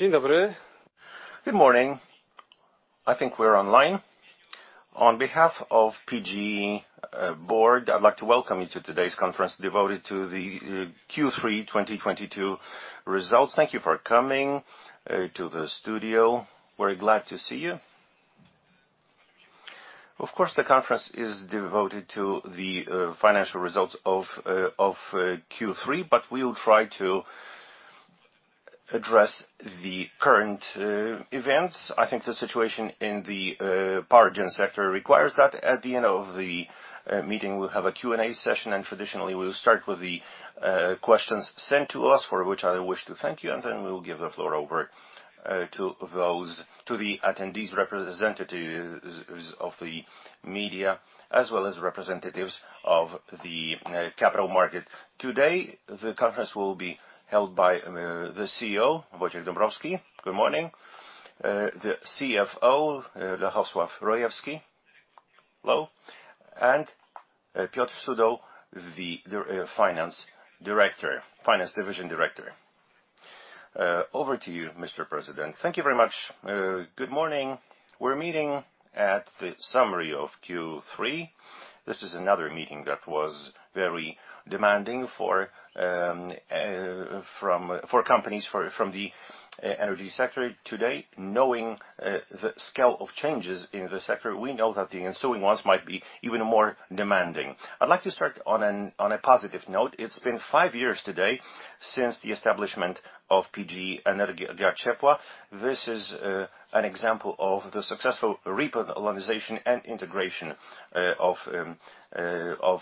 Dzień dobry. Good morning. I think we're online. On behalf of PGE board, I'd like to welcome you to today's conference devoted to the Q3 2022 results. Thank you for coming to the studio. We're glad to see you. Of course, the conference is devoted to the financial results of Q3, we will try to address the current events. I think the situation in the power gen sector requires that at the end of the meeting, we'll have a Q&A session, traditionally, we'll start with the questions sent to us, for which I wish to thank you, then we'll give the floor over to the attendees, representatives of the media, as well as representatives of the capital market. Today, the conference will be held by the CEO, Wojciech Dąbrowski. Good morning. The CFO, Lechosław Rojewski. Hello. Piotr Sudoł, the finance director, finance division director. Over to you, Mr. President. Thank you very much. Good morning. We're meeting at the summary of Q3. This is another meeting that was very demanding for companies for, from the energy sector today. Knowing the scale of changes in the sector, we know that the ensuing ones might be even more demanding. I'd like to start on a positive note. It's been five years today since the establishment of PGE Energia Ciepła. This is an example of the successful repolonization and integration of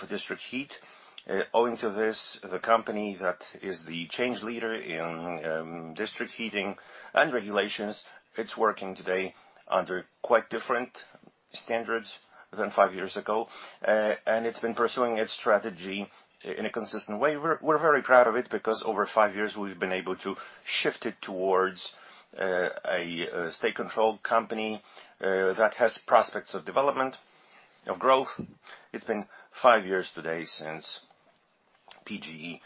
district heat. Owing to this, the company that is the change leader in district heating and regulations, it's working today under quite different standards than five years ago. It's been pursuing its strategy in a consistent way. We're very proud of it because over five years, we've been able to shift it towards a state-controlled company that has prospects of development, of growth. It's been five years today since PGE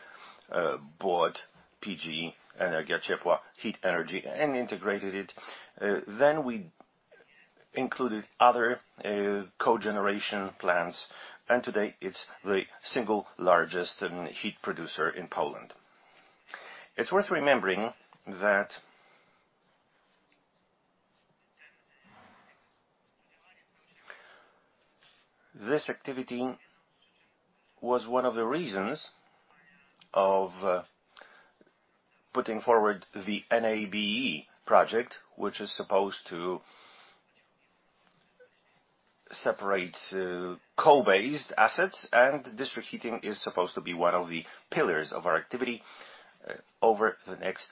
bought PGE Energia Ciepła heat energy and integrated it. We included other cogeneration plants, and today it's the single largest heat producer in Poland. It's worth remembering that this activity was one of the reasons of putting forward the NABE project, which is supposed to separate coal-based assets, and district heating is supposed to be one of the pillars of our activity over the next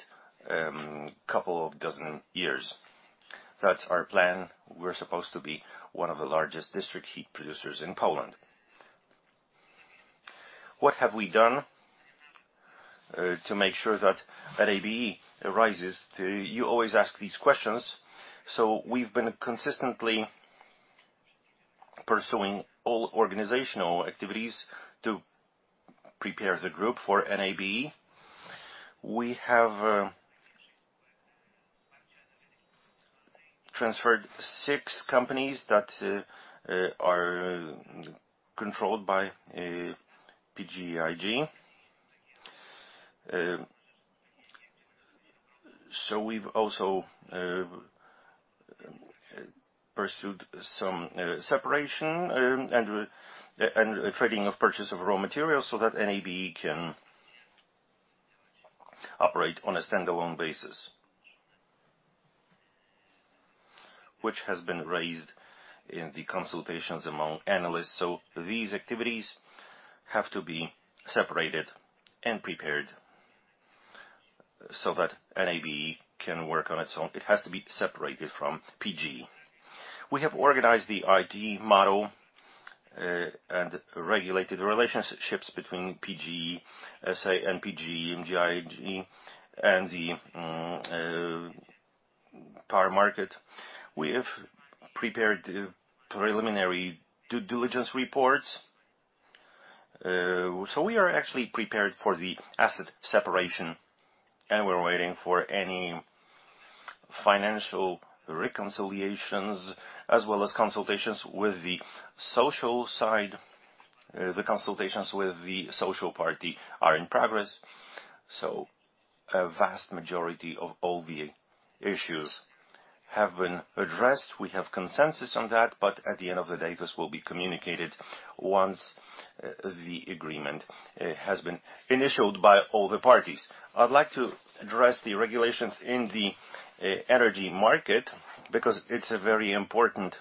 couple of dozen years. That's our plan. We're supposed to be one of the largest district heat producers in Poland. What have we done to make sure that that NABE arises? You always ask these questions, we've been consistently pursuing all organizational activities to prepare the group for NABE. We have transferred six companies that are controlled by PGE GiEK. We've also pursued some separation and trading of purchase of raw materials so that NABE can operate on a standalone basis, which has been raised in the consultations among analysts. These activities have to be separated and prepared so that NABE can work on its own. It has to be separated from PGE. We have organized the IT model and regulated relationships between PGE S.A. and PGE GiEK and the power market. We have prepared preliminary due diligence reports. We are actually prepared for the asset separation, and we're waiting for any financial reconciliations as well as consultations with the social side. The consultations with the social party are in progress. A vast majority of all the issues have been addressed. We have consensus on that. At the end of the day, this will be communicated once the agreement has been initialed by all the parties. I'd like to address the regulations in the energy market because it's a very important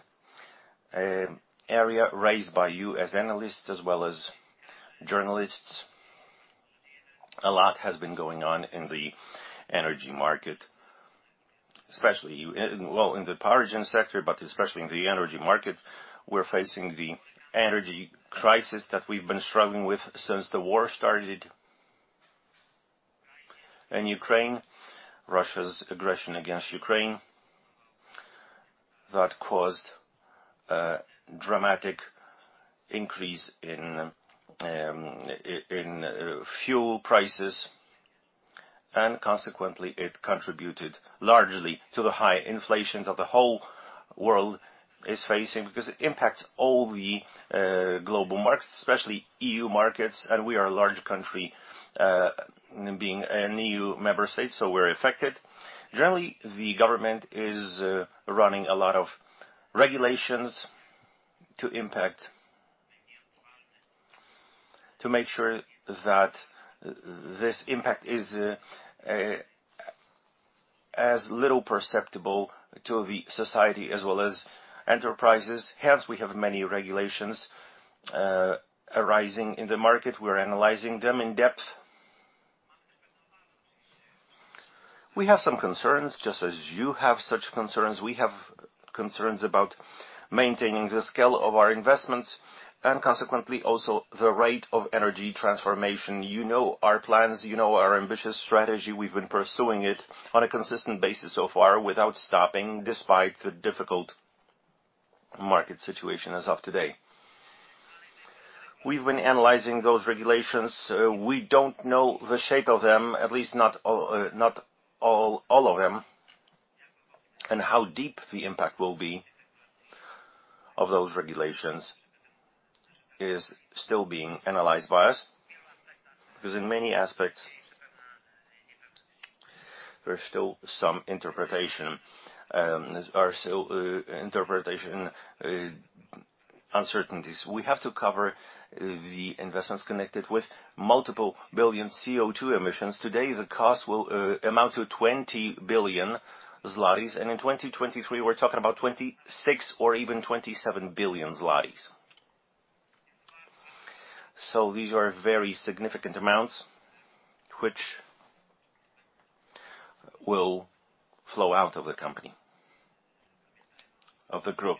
area raised by you as analysts as well as journalists. A lot has been going on in the energy market, especially. Well, in the power gen sector, but especially in the energy market. We're facing the energy crisis that we've been struggling with since the war started in Ukraine, Russia's aggression against Ukraine. That caused a dramatic increase in fuel prices, and consequently, it contributed largely to the high inflation that the whole world is facing because it impacts all the global markets, especially EU markets, and we are a large country, being an EU member state, so we're affected. The government is running a lot of regulations to make sure that this impact is as little perceptible to the society as well as enterprises. We have many regulations arising in the market. We're analyzing them in depth. We have some concerns, just as you have such concerns. We have concerns about maintaining the scale of our investments and consequently, also the rate of energy transformation. You know our plans. You know our ambitious strategy. We've been pursuing it on a consistent basis so far without stopping, despite the difficult market situation as of today. We've been analyzing those regulations. We don't know the shape of them, at least not all of them, and how deep the impact will be of those regulations is still being analyzed by us. Because in many aspects, there's still some interpretation, there are still interpretation uncertainties. We have to cover the investments connected with multiple billion CO2 emissions. Today, the cost will amount to 20 billion zlotys, and in 2023, we're talking about 26 billion or even 27 billion zlotys. These are very significant amounts which will flow out of the company, of the group.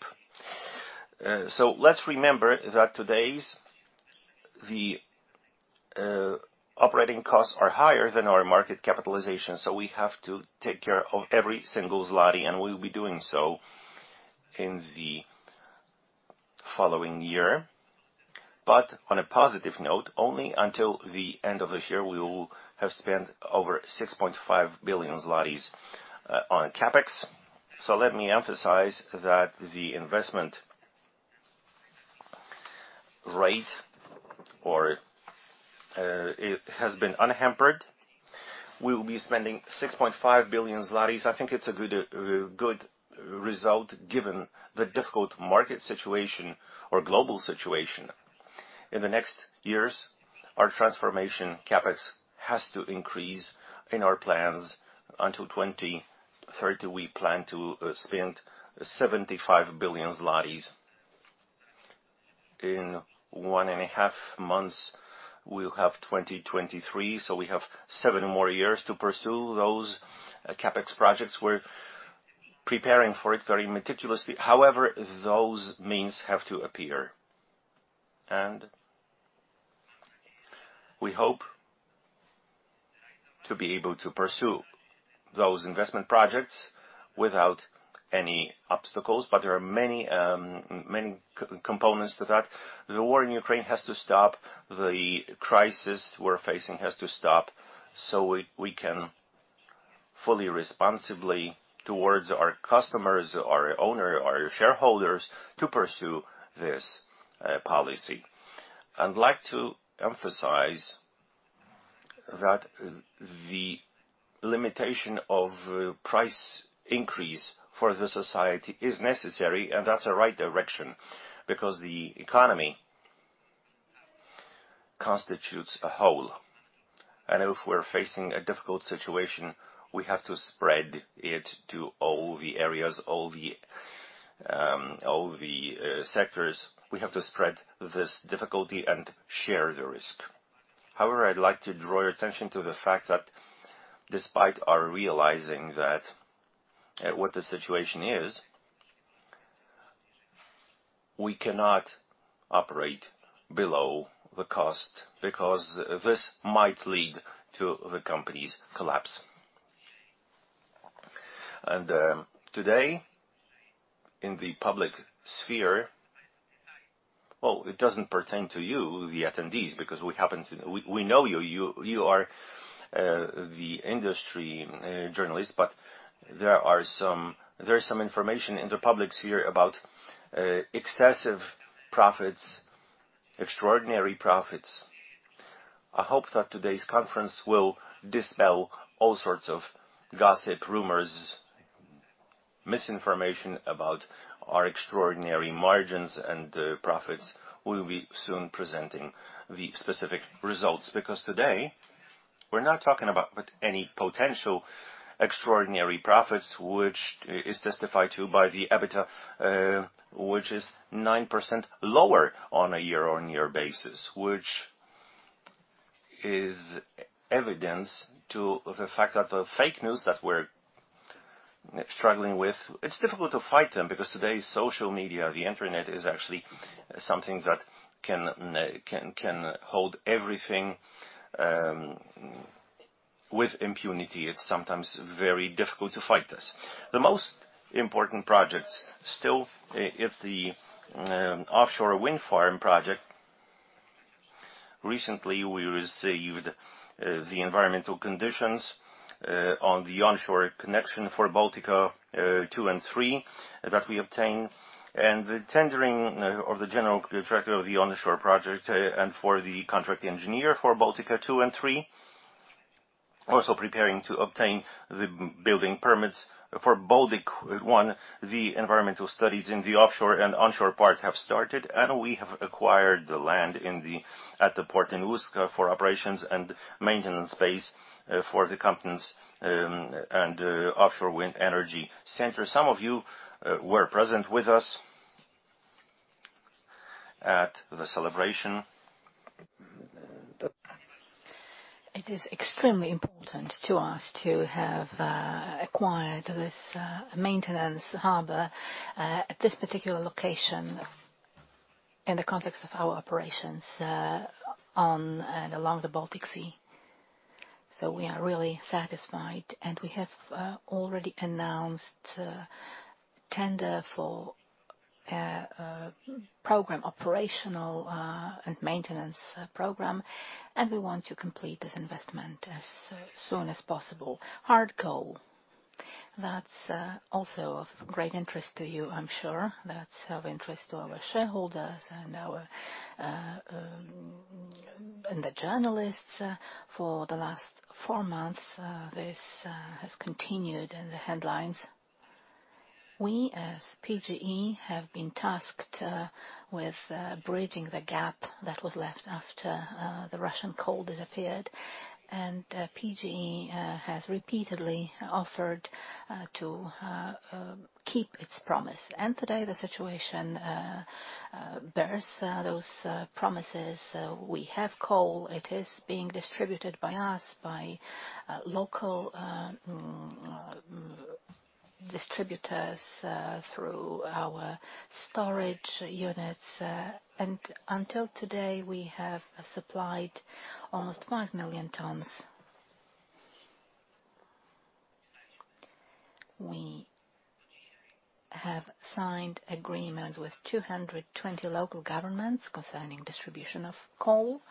Let's remember that today's operating costs are higher than our market capitalization, so we have to take care of every single zloty, and we will be doing so in the following year. On a positive note, only until the end of this year, we will have spent over 6.5 billion zlotys on CapEx. Let me emphasize that the investment rate it has been unhampered. We will be spending 6.5 billion. I think it's a good result given the difficult market situation or global situation. In the next years, our transformation CapEx has to increase. In our plans until 2030, we plan to spend 75 billion zlotys. In one and a half months, we'll have 2023, so we have seven more years to pursue those CapEx projects. We're preparing for it very meticulously. However, those means have to appear. We hope to be able to pursue those investment projects without any obstacles, but there are many components to that. The war in Ukraine has to stop. The crisis we're facing has to stop so we can fully responsibly towards our customers, our owner, our shareholders, to pursue this policy. I'd like to emphasize that the limitation of price increase for the society is necessary, and that's a right direction, because the economy constitutes a whole. If we're facing a difficult situation, we have to spread it to all the areas, all the sectors. We have to spread this difficulty and share the risk. However, I'd like to draw your attention to the fact that despite our realizing that, what the situation is, we cannot operate below the cost because this might lead to the company's collapse. Today in the public sphere. Well, it doesn't pertain to you, the attendees, because we happen to. We know you. You are, the industry, journalists, but there is some information in the public sphere about excessive profits, extraordinary profits. I hope that today's conference will dispel all sorts of gossip, rumors, misinformation about our extraordinary margins and profits. We'll be soon presenting the specific results because today we're not talking about any potential extraordinary profits, which is testified to by the EBITDA, which is 9% lower on a year-on-year basis, which is evidence to the fact that the fake news that we're struggling with, it's difficult to fight them because today, social media, the internet is actually something that can hold everything with impunity. It's sometimes very difficult to fight this. The most important projects still is the offshore wind farm project. Recently, we received the environmental conditions on the onshore connection for Baltica 2 and 3 that we obtained, and the tendering of the general contractor of the onshore project and for the contract engineer for Baltica 2 and 3. Also preparing to obtain the building permits for Baltica 1. The environmental studies in the offshore and onshore part have started, and we have acquired the land at the port in Ustka for operations and maintenance base for the company's and offshore wind energy center. Some of you were present with us at the celebration. It is extremely important to us to have acquired this maintenance harbor at this particular location in the context of our operations on and along the Baltic Sea. We are really satisfied, and we have already announced a tender for a program, operational, and maintenance program, and we want to complete this investment as soon as possible. Hard coal. That's also of great interest to you, I'm sure. That's of interest to our shareholders and our and the journalists. For the last four months, this has continued in the headlines. We, as PGE, have been tasked with bridging the gap that was left after the Russian coal disappeared. PGE has repeatedly offered to keep its promise. Today, the situation bears those promises. We have coal. It is being distributed by us, by local distributors, through our storage units. Until today, we have supplied almost 5 million tons. We have signed agreements with 220 local governments concerning distribution of coal.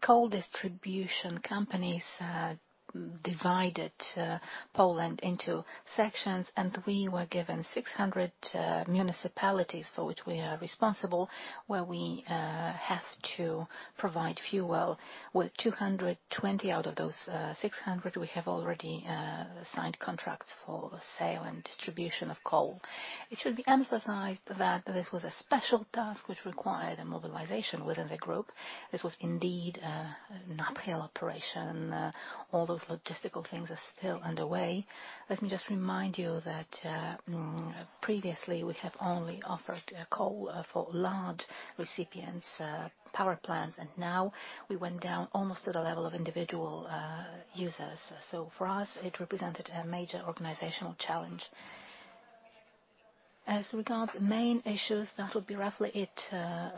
Coal distribution companies divided Poland into sections, and we were given 600 municipalities for which we are responsible, where we have to provide fuel. With 220 out of those 600, we have already signed contracts for sale and distribution of coal. It should be emphasized that this was a special task which required a mobilization within the group. This was indeed an uphill operation. All those logistical things are still underway. Let me just remind you that previously, we have only offered coal for large recipients, power plants, and now we went down almost to the level of individual users. For us, it represented a major organizational challenge. As regards main issues, that would be roughly it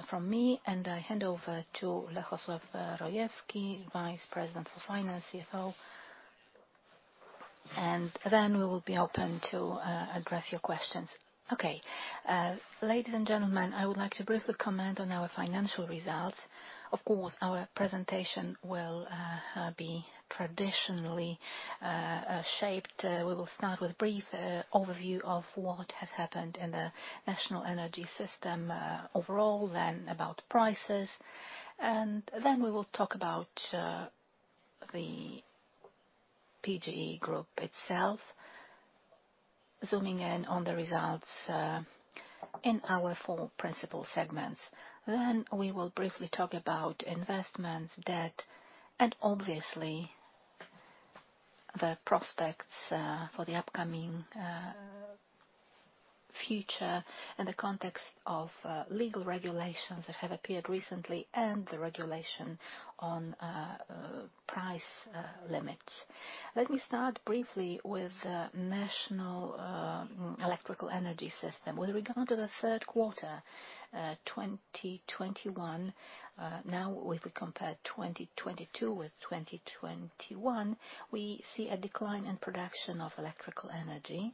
from me, and I hand over to Lechosław Rojewski, Vice President of Finance, CFO. Then we will be open to address your questions. Ladies and gentlemen, I would like to briefly comment on our financial results. Of course, our presentation will be traditionally shaped. We will start with a brief overview of what has happened in the national energy system overall, then about prices. Then we will talk about the PGE Group itself, zooming in on the results in our four principal segments. We will briefly talk about investments, debt, obviously the prospects for the upcoming future in the context of legal regulations that have appeared recently and the regulation on price limits. Let me start briefly with the national electrical energy system. With regard to the third quarter 2021, now if we compare 2022 with 2021, we see a decline in production of electrical energy,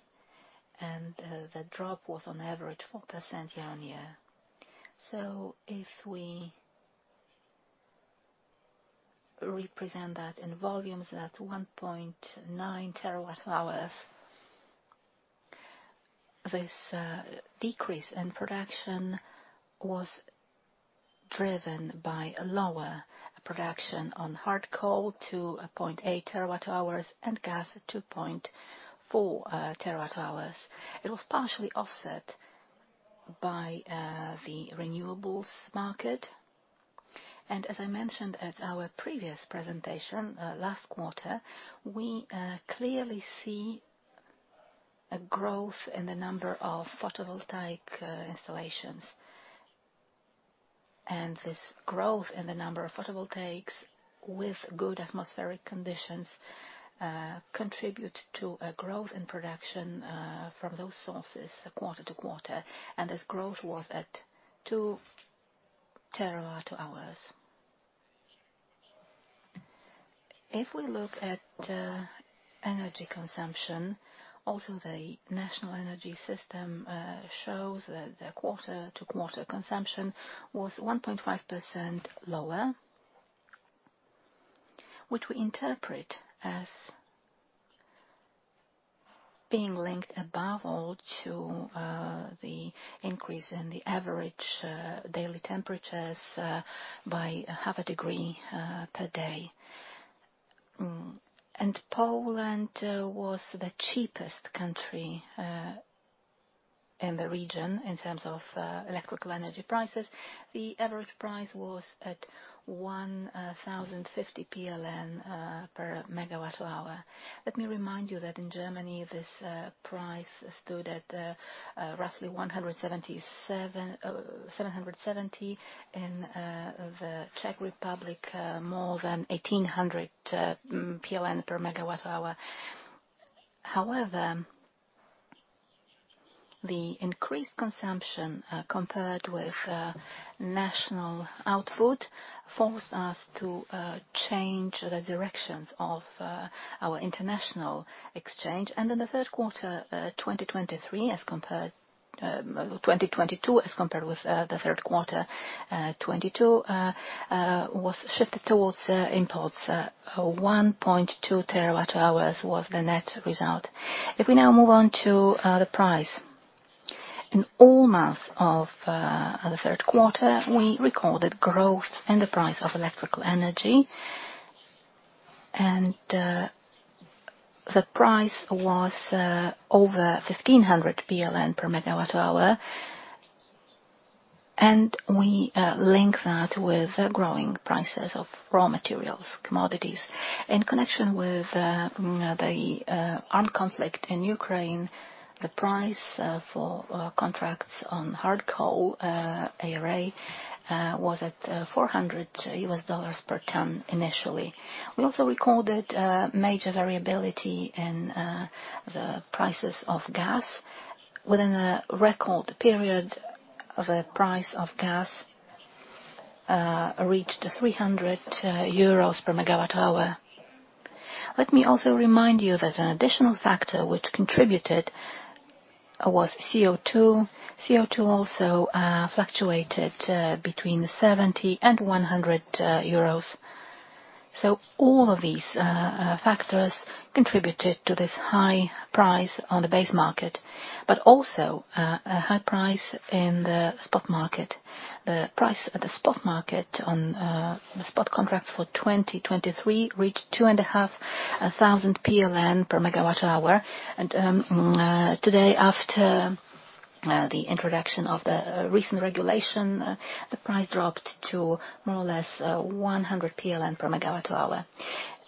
and the drop was on average 4% year-on-year. If we represent that in volumes, that's 1.9 TWh. This decrease in production was driven by a lower production on hard coal to 0.8 TWh and gas at 2.4 TWh. It was partially offset by the renewables market. As I mentioned at our previous presentation, last quarter, we clearly see a growth in the number of photovoltaic installations. This growth in the number of photovoltaics with good atmospheric conditions contribute to a growth in production from those sources quarter-over-quarter, and this growth was at 2 TWh. If we look at energy consumption, also the national energy system shows that the quarter-over-quarter consumption was 1.5% lower, which we interpret as being linked, above all, to the increase in the average daily temperatures by half a degree per day. Poland was the cheapest country in the region in terms of electrical energy prices. The average price was at 1,050 PLN per megawatt-hour. Let me remind you that in Germany, this price stood at roughly 770, in the Czech Republic, more than 1,800 PLN per megawatt-hour. The increased consumption, compared with national output forced us to change the directions of our international exchange. In the third quarter, 2023 as compared 2022, as compared with the third quarter, 2022, was shifted towards imports. 1.2 TWh was the net result. If we now move on to the price. In all months of the third quarter, we recorded growth in the price of electrical energy. The price was over 1,500 per megawatt-hour. We link that with the growing prices of raw materials, commodities. In connection with the armed conflict in Ukraine, the price for contracts on hard coal, ARA, was at $400 per ton initially. We also recorded major variability in the prices of gas. Within a record period of a price of gas reached EUR 300 per megawatt-hour. Let me also remind you that an additional factor which contributed was CO2. CO2 also fluctuated between 70 and 100 euros. All of these factors contributed to this high price on the base market, but also a high price in the spot market. The price at the spot market on the spot contracts for 2023 reached 2,500 PLN per megawatt-hour. Today, after the introduction of the recent regulation, the price dropped to more or less 100 PLN per megawatt-hour.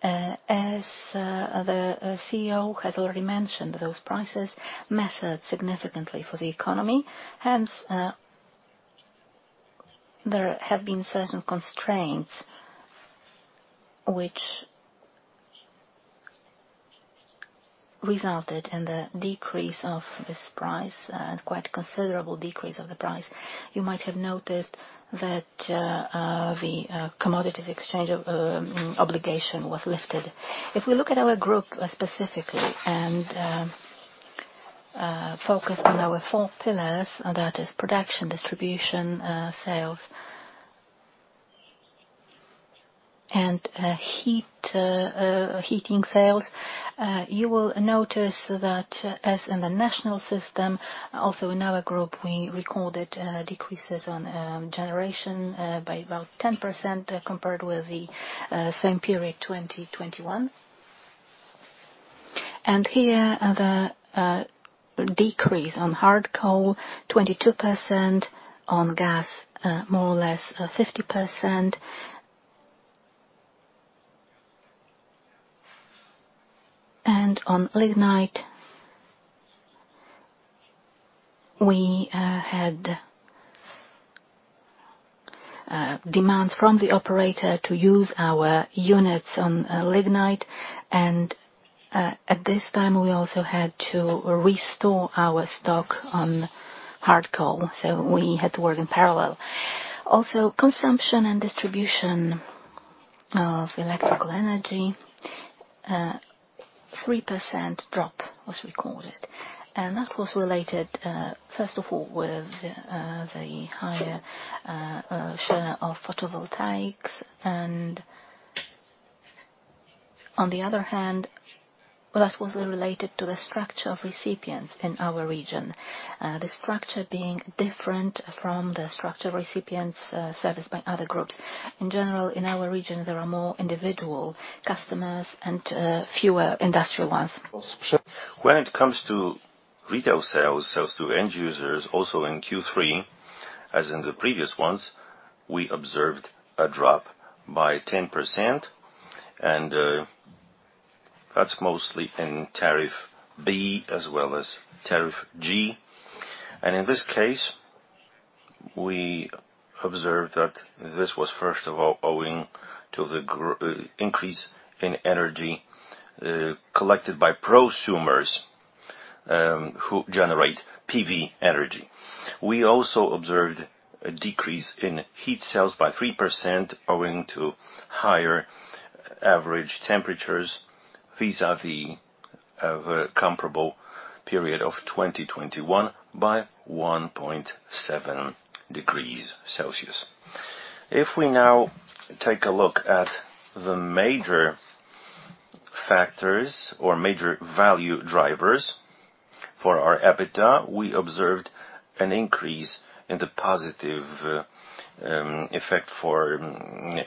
As the CEO has already mentioned, those prices mattered significantly for the economy, hence, there have been certain constraints which resulted in the decrease of this price and quite considerable decrease of the price. You might have noticed that the commodities exchange obligation was lifted. If we look at our group specifically and focus on our four pillars, and that is production, distribution, sales and heating sales, you will notice that as in the national system, also in our group, we recorded decreases on generation by about 10% compared with the same period, 2021. Here, the decrease on hard coal, 22%, on gas, more or less, 50%. On lignite, we had demands from the operator to use our units on lignite. At this time, we also had to restore our stock on hard coal, so we had to work in parallel. Also consumption and distribution of electrical energy, 3% drop was recorded. That was related, first of all, with the higher share of photovoltaics. On the other hand, well, that was related to the structure of recipients in our region. The structure being different from the structure of recipients serviced by other groups. In general, in our region, there are more individual customers and fewer industrial ones. When it comes to retail sales to end users, also in Q3, as in the previous ones, we observed a drop by 10% and That's mostly in tariff B as well as tariff G. In this case, we observed that this was first of all owing to the increase in energy collected by prosumers who generate PV energy. We also observed a decrease in heat sales by 3% owing to higher average temperatures vis-a-vis of a comparable period of 2021 by 1.7 degrees Celsius. If we now take a look at the major factors or major value drivers for our EBITDA, we observed an increase in the positive effect for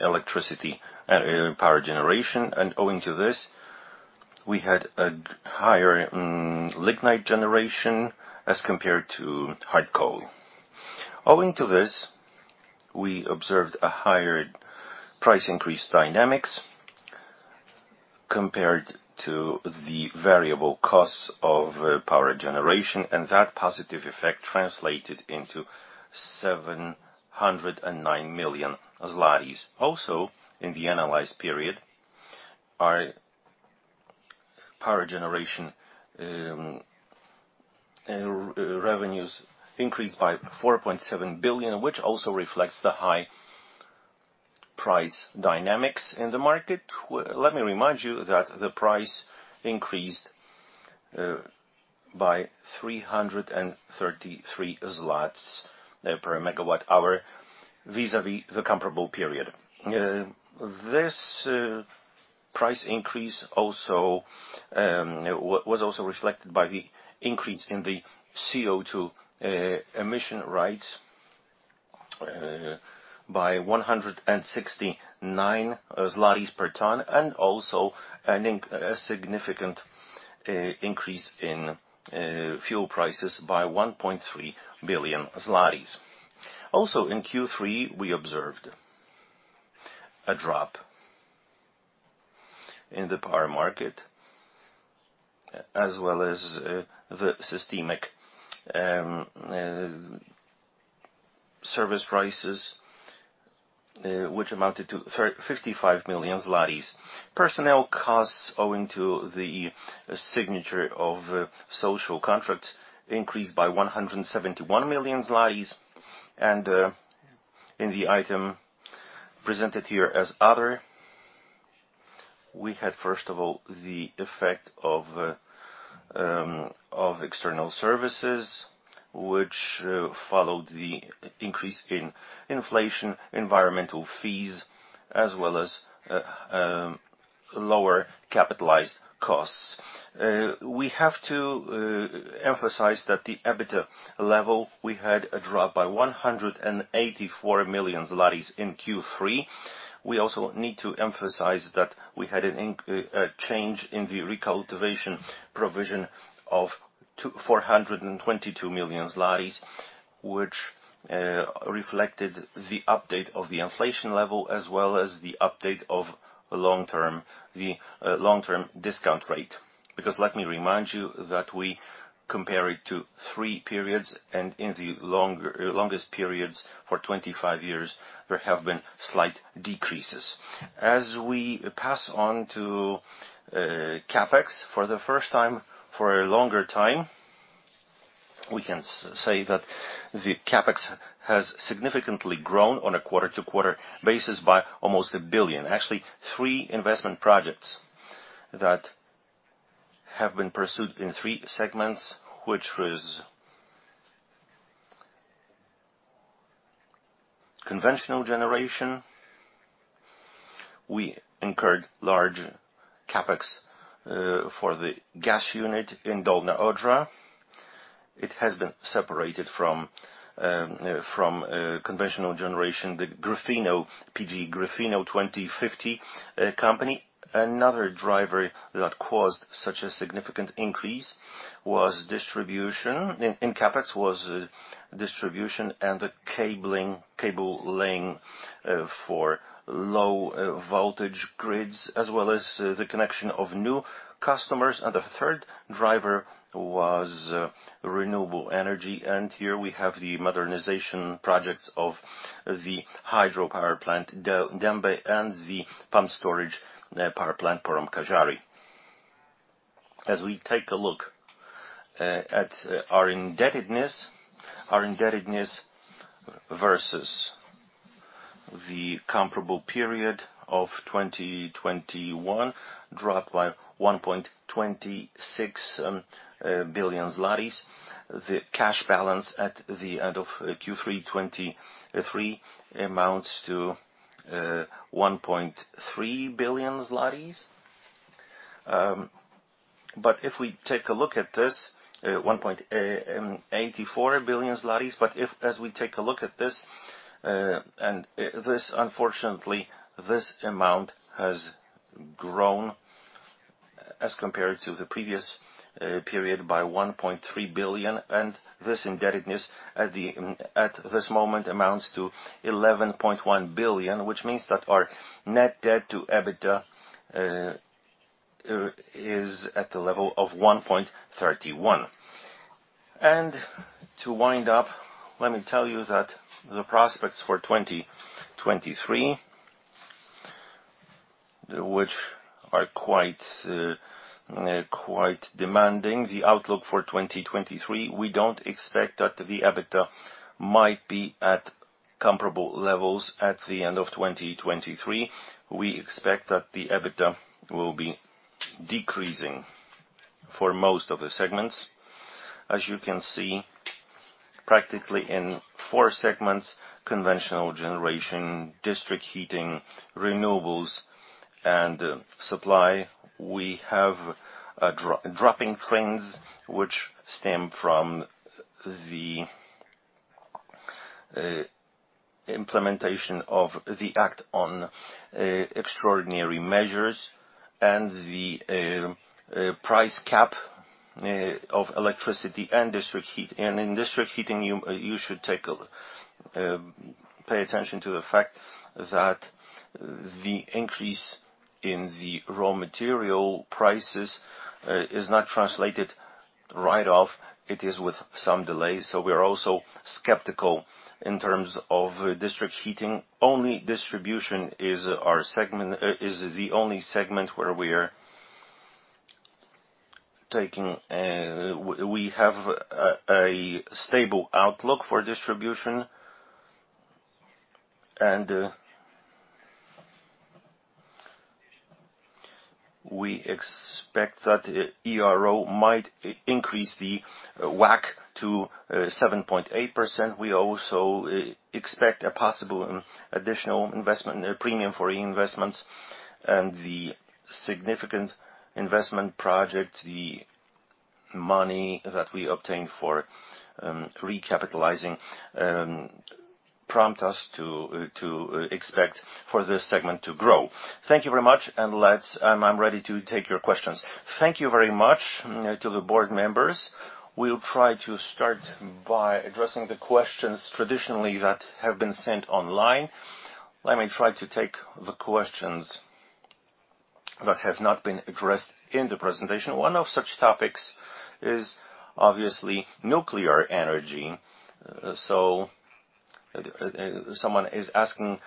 electricity and power generation, and owing to this, we had a higher lignite generation as compared to hard coal. Owing to this, we observed a higher price increase dynamics compared to the variable costs of power generation, and that positive effect translated into 709 million. Also, in the analyzed period, our power generation revenues increased by 4.7 billion, which also reflects the high price dynamics in the market. Let me remind you that the price increased by PLN 333 per megawatt-hour vis-a-vis the comparable period. This price increase also was also reflected by the increase in the CO₂ emission rights by 169 zlotys per ton, and also a significant increase in fuel prices by 1.3 billion zlotys. Also, in Q3, we observed a drop in the power market as well as the systemic service prices, which amounted to 55 million. Personnel costs owing to the signature of social contracts increased by 171 million zlotys. In the item presented here as other, we had, first of all, the effect of external services, which followed the increase in inflation, environmental fees, as well as lower capitalized costs. We have to emphasize that the EBITDA level, we had a drop by 184 million zlotys in Q3. We also need to emphasize that we had a change in the recultivation provision of 422 million zlotys, which reflected the update of the inflation level as well as the update of long-term, the long-term discount rate. Because let me remind you that we compare it to three periods, and in the longest periods, for 25 years, there have been slight decreases. As we pass on to CapEx, for the first time for a longer time, we can say that the CapEx has significantly grown on a quarter-to-quarter basis by almost 1 billion. Actually, three investment projects that have been pursued in three segments, which was conventional generation. We incurred large CapEx for the gas unit in Dolna Odra. It has been separated from conventional generation, the Gryfino, PGE Gryfino 2050 company. Another driver that caused such a significant increase was distribution. In CapEx was distribution and the cabling, cable laying for low voltage grids, as well as the connection of new customers. The third driver was renewable energy. Here we have the modernization projects of the hydropower plant, Dębie, and the pump storage power plant, Pomorzany. As we take a look at our indebtedness, our indebtedness versus the comparable period of 2021 dropped by 1.26 billion zlotys. The cash balance at the end of Q3 2023 amounts to 1.3 billion. As we take a look at this, and this, unfortunately, this amount has grown as compared to the previous period by 1.3 billion, and this indebtedness at this moment amounts to 11.1 billion, which means that our net debt to EBITDA is at the level of 1.31. To wind up, let me tell you that the prospects for 2023, which are quite demanding. The outlook for 2023, we don't expect that the EBITDA might be at comparable levels at the end of 2023. We expect that the EBITDA will be decreasing for most of the segments. As you can see, practically in four segments, conventional generation, district heating, renewables, and supply, we have a dropping trends which stem from the implementation of the Act on Extraordinary Measures and the price cap of electricity and district heat. In district heating, you should take pay attention to the fact that the increase in the raw material prices is not translated right off. It is with some delay. We are also skeptical in terms of district heating. Only distribution is our segment is the only segment where we are taking we have a stable outlook for distribution. We expect that ERO might increase the WACC to 7.8%. We also expect a possible additional investment, premium for reinvestments and the significant investment project, the money that we obtain for recapitalizing, prompt us to expect for this segment to grow. Thank you very much. Let's, I'm ready to take your questions. Thank you very much to the board members. We'll try to start by addressing the questions traditionally that have been sent online. Let me try to take the questions that have not been addressed in the presentation. One of such topics is obviously nuclear energy. Someone is asking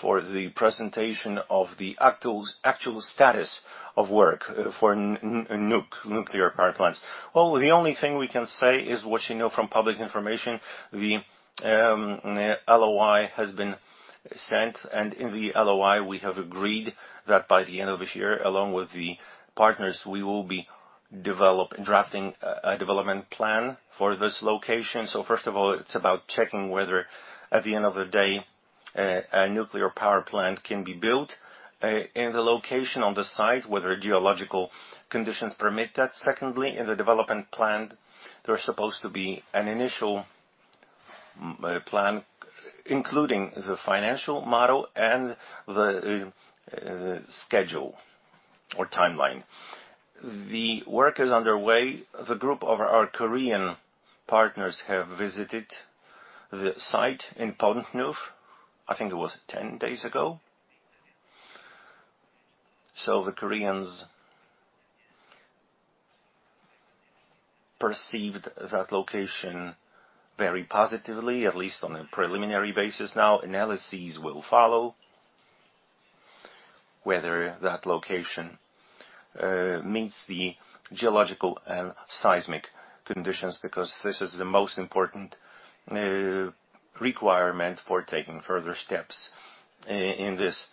for the presentation of the actual status of work for nuclear power plants. Well, the only thing we can say is what you know from public information. The LOI has been sent, in the LOI, we have agreed that by the end of the year, along with the partners, we will be drafting a development plan for this location. First of all, it's about checking whether at the end of the day, a nuclear power plant can be built in the location on the site, whether geological conditions permit that. Secondly, in the development plan, there's supposed to be an initial plan, including the financial model and the schedule or timeline. The work is underway. The group of our Korean partners have visited the site in Pątnów, I think it was 10 days ago. The Koreans perceived that location very positively, at least on a preliminary basis now. Analyses will follow whether that location meets the geological and seismic conditions, because this is the most important requirement for taking further steps in this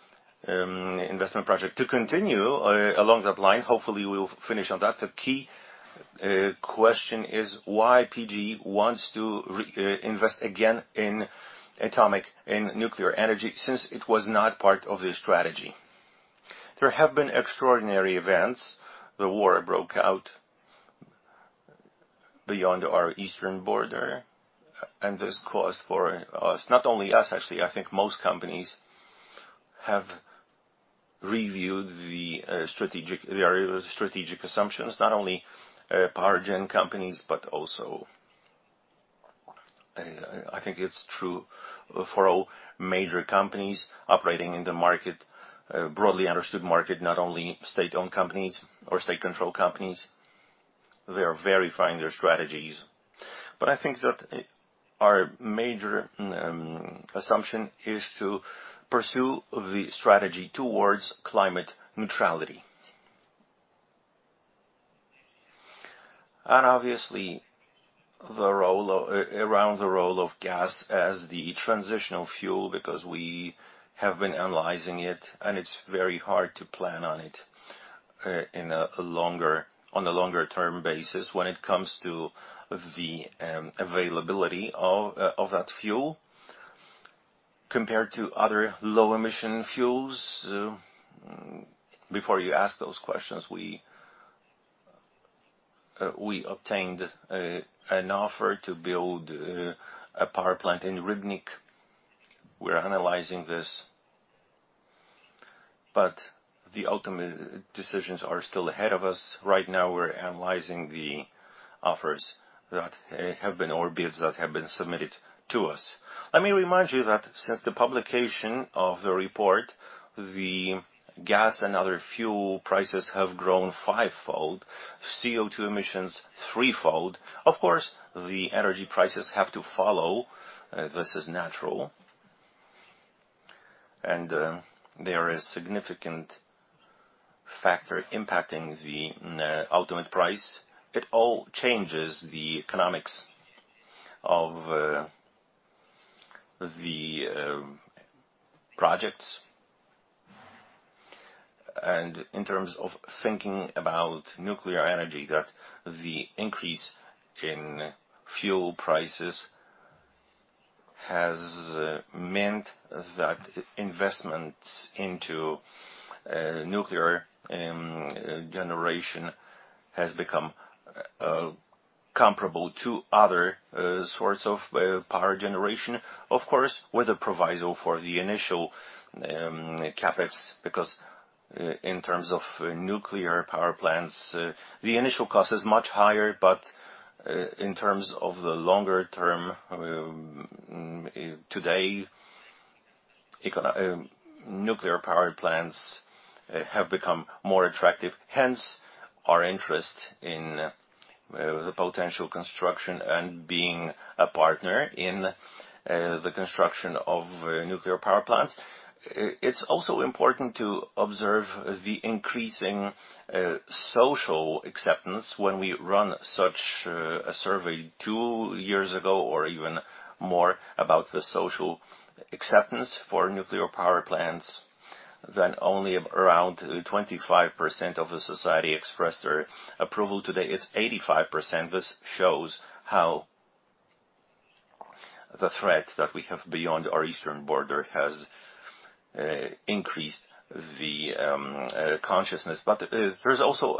investment project. To continue along that line, hopefully we'll finish on that. The key question is why PGE wants to invest again in atomic, in nuclear energy, since it was not part of the strategy. There have been extraordinary events. The war broke out beyond our eastern border, this caused for us, not only us, actually, I think most companies have reviewed the strategic assumptions, not only power gen companies, but also, I think it's true for all major companies operating in the market, broadly understood market, not only state-owned companies or state-controlled companies. They are verifying their strategies. I think that our major assumption is to pursue the strategy towards climate neutrality. Obviously, the role of gas as the transitional fuel, because we have been analyzing it, and it's very hard to plan on it in a longer, on a longer-term basis when it comes to the availability of that fuel compared to other low-emission fuels. Before you ask those questions, we obtained an offer to build a power plant in Rybnik. We're analyzing this, but the ultimate decisions are still ahead of us. Right now, we're analyzing the offers that have been, or bids that have been submitted to us. Let me remind you that since the publication of the report, the gas and other fuel prices have grown five-fold, CO2 emissions three-fold. Of course, the energy prices have to follow. This is natural. There is significant factor impacting the ultimate price. It all changes the economics of the projects. In terms of thinking about nuclear energy, that the increase in fuel prices has meant that investments into nuclear generation has become comparable to other sorts of power generation. Of course, with a proviso for the initial CapEx, because in terms of nuclear power plants, the initial cost is much higher, but in terms of the longer term, today, nuclear power plants have become more attractive, hence our interest in the potential construction and being a partner in the construction of nuclear power plants. It's also important to observe the increasing social acceptance when we run such a survey two years ago or even more about the social acceptance for nuclear power plants, than only around 25% of the society expressed their approval. Today, it's 85%. This shows how the threat that we have beyond our eastern border has increased the consciousness. Also,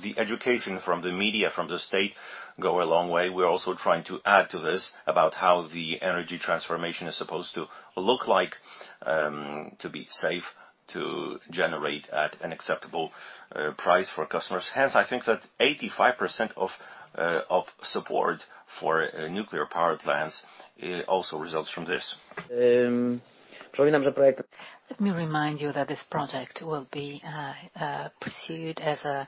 the education from the media, from the state go a long way. We're also trying to add to this about how the energy transformation is supposed to look like to be safe, to generate at an acceptable price for customers. I think that 85% of support for nuclear power plants also results from this. Let me remind you that this project will be pursued as a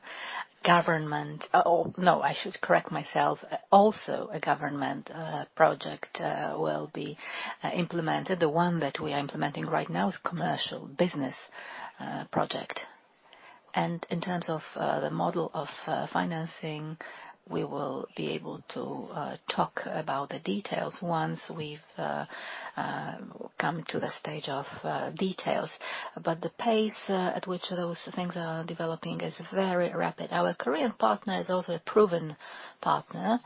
government. I should correct myself. A government project will be implemented. The one that we are implementing right now is commercial business project. In terms of the model of financing, we will be able to talk about the details once we've come to the stage of details. The pace at which those things are developing is very rapid. Our Korean partner is also a proven partner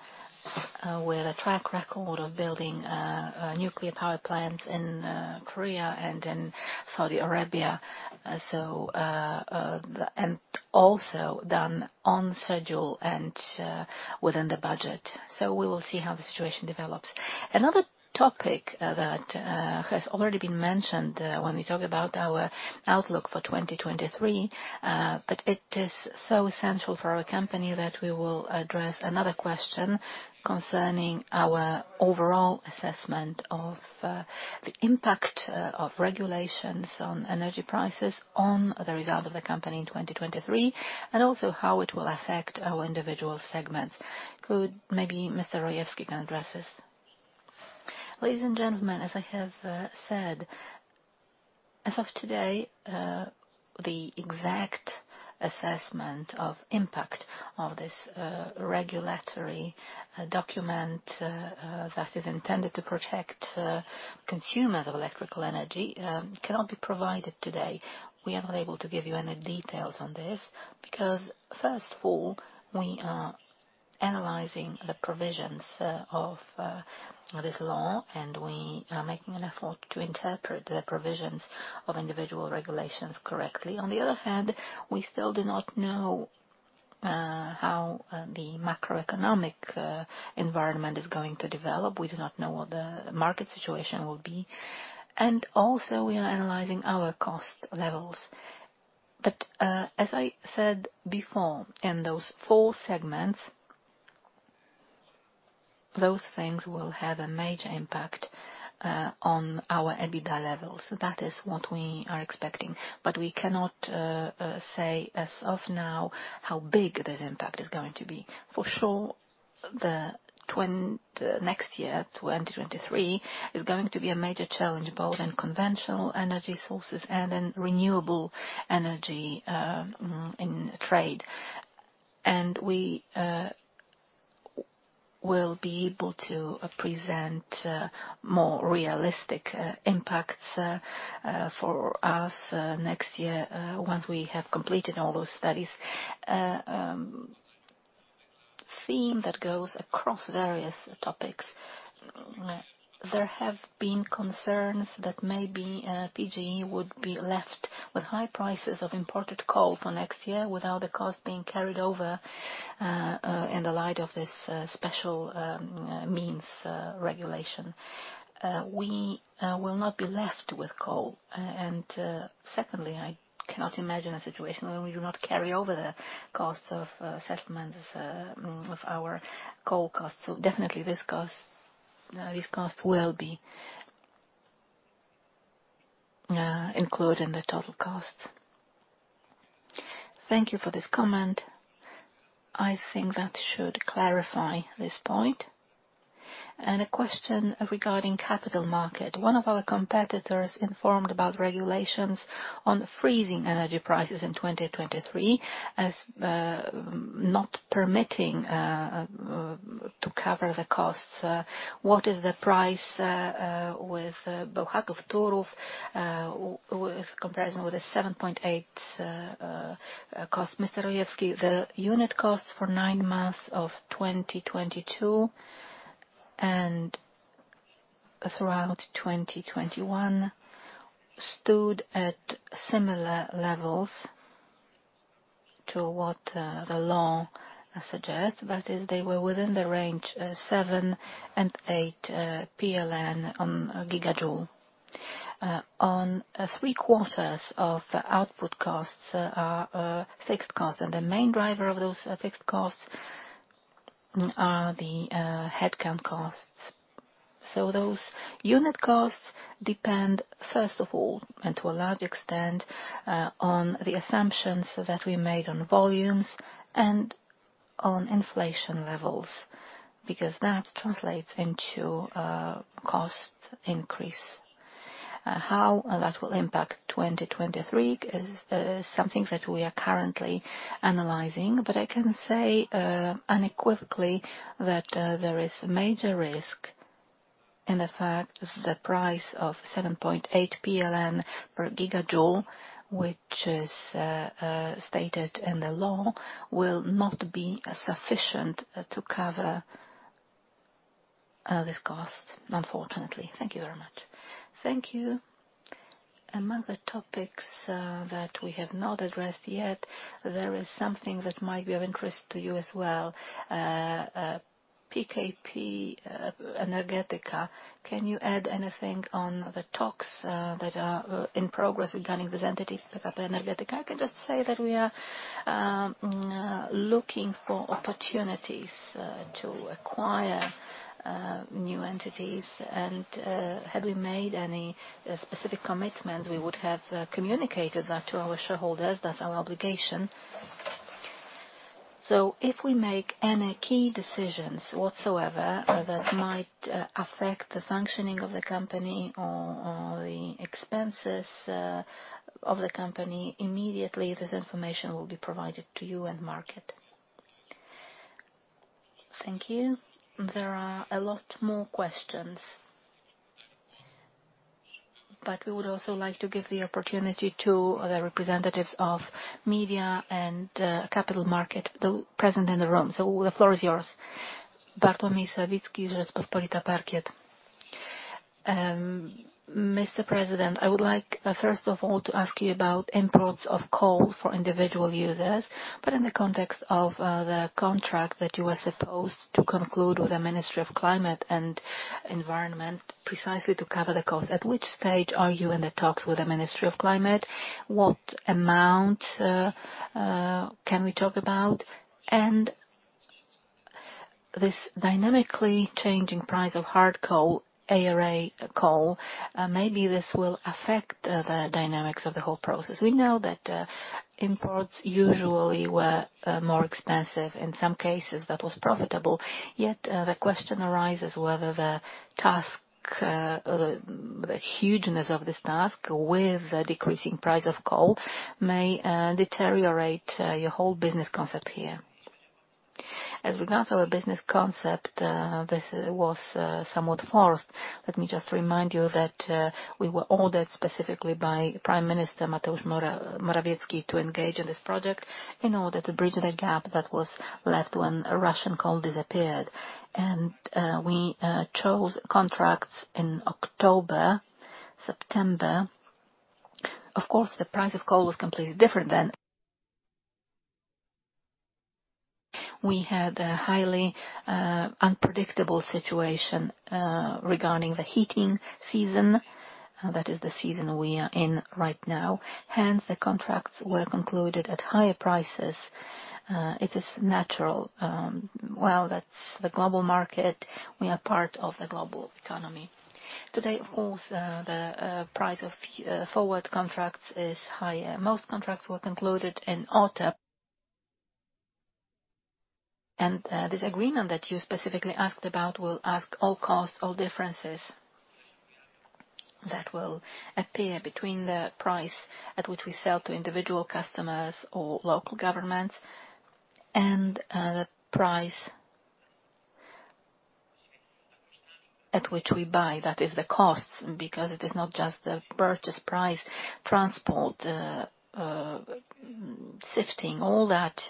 with a track record of building nuclear power plants in Korea and in Saudi Arabia. Also done on schedule and within the budget. We will see how the situation develops. Another topic that has already been mentioned when we talk about our outlook for 2023, but it is so essential for our company that we will address another question concerning our overall assessment of the impact of regulations on energy prices, on the result of the company in 2023, and also how it will affect our individual segments. Could maybe Mr. Rojewski can address this? Ladies and gentlemen, as I have said, as of today, the exact assessment of impact of this regulatory document that is intended to protect consumers of electrical energy, cannot be provided today. We are not able to give you any details on this, because first of all, we are analyzing the provisions of this law, and we are making an effort to interpret the provisions of individual regulations correctly. On the other hand, we still do not know how the macroeconomic environment is going to develop. We do not know what the market situation will be. Also, we are analyzing our cost levels. As I said before, in those four segments, those things will have a major impact on our EBITDA levels. That is what we are expecting. We cannot say as of now how big this impact is going to be. For sure, next year, 2023, is going to be a major challenge, both in conventional energy sources and in renewable energy, in trade. We will be able to present more realistic impacts for us next year once we have completed all those studies. Theme that goes across various topics. There have been concerns that maybe PGE would be left with high prices of imported coal for next year without the cost being carried over in the light of this special means regulation. We will not be left with coal. Secondly, I cannot imagine a situation where we do not carry over the cost of settlement of our coal costs. Definitely this cost will be included in the total cost. Thank you for this comment. I think that should clarify this point. A question regarding capital market. One of our competitors informed about regulations on freezing energy prices in 2023 as not permitting to cover the costs. What is the price with Bełchatów, Turów, with comparison with the 7.8 cost? Mr. Rojewski? The unit cost for nine months of 2022 and throughout 2021 stood at similar levels to what the law suggests. That is, they were within the range 7 and 8 on gigajoule. On three-quarters of output costs are fixed costs, and the main driver of those fixed costs are the headcount costs. Those unit costs depend, first of all, and to a large extent, on the assumptions that we made on volumes and on inflation levels, because that translates into a cost increase. How that will impact 2023 is something that we are currently analyzing, but I can say unequivocally that there is major risk, in effect, the price of 7.8 PLN per gigajoule, which is stated in the law, will not be sufficient to cover this cost, unfortunately. Thank you very much. Thank you. Among the topics that we have not addressed yet, there is something that might be of interest to you as well. PKP Energetyka. Can you add anything on the talks that are in progress regarding this entity, PKP Energetyka? I can just say that we are looking for opportunities to acquire new entities. Had we made any specific commitment, we would have communicated that to our shareholders. That's our obligation. If we make any key decisions whatsoever that might affect the functioning of the company or the expenses of the company, immediately this information will be provided to you and market. Thank you. There are a lot more questions. We would also like to give the opportunity to the representatives of media and capital market, the present in the room. The floor is yours. Bartłomiej Kubicki, Rzeczpospolita, Parkiet. Mr. President, I would like, first of all, to ask you about imports of coal for individual users, but in the context of the contract that you were supposed to conclude with the Ministry of Climate and Environment precisely to cover the cost. At which stage are you in the talks with the Ministry of Climate? What amount can we talk about? This dynamically changing price of hard coal, ARA coal, maybe this will affect the dynamics of the whole process. We know that imports usually were more expensive. In some cases, that was profitable. Yet, the question arises whether the task or the hugeness of this task with the decreasing price of coal may deteriorate your whole business concept here. As regards our business concept, this was somewhat forced. Let me just remind you that we were ordered specifically by Prime Minister Mateusz Morawiecki to engage in this project in order to bridge the gap that was left when Russian coal disappeared. We chose contracts in October, September. Of course, the price of coal was completely different then. We had a highly unpredictable situation regarding the heating season. That is the season we are in right now. Hence, the contracts were concluded at higher prices. It is natural. Well, that's the global market. We are part of the global economy. Today, of course, the price of forward contracts is higher. Most contracts were concluded in autumn. This agreement that you specifically asked about will ask all costs, all differences that will appear between the price at which we sell to individual customers or local governments and the price at which we buy. That is the cost, because it is not just the purchase price, transport, sifting, all that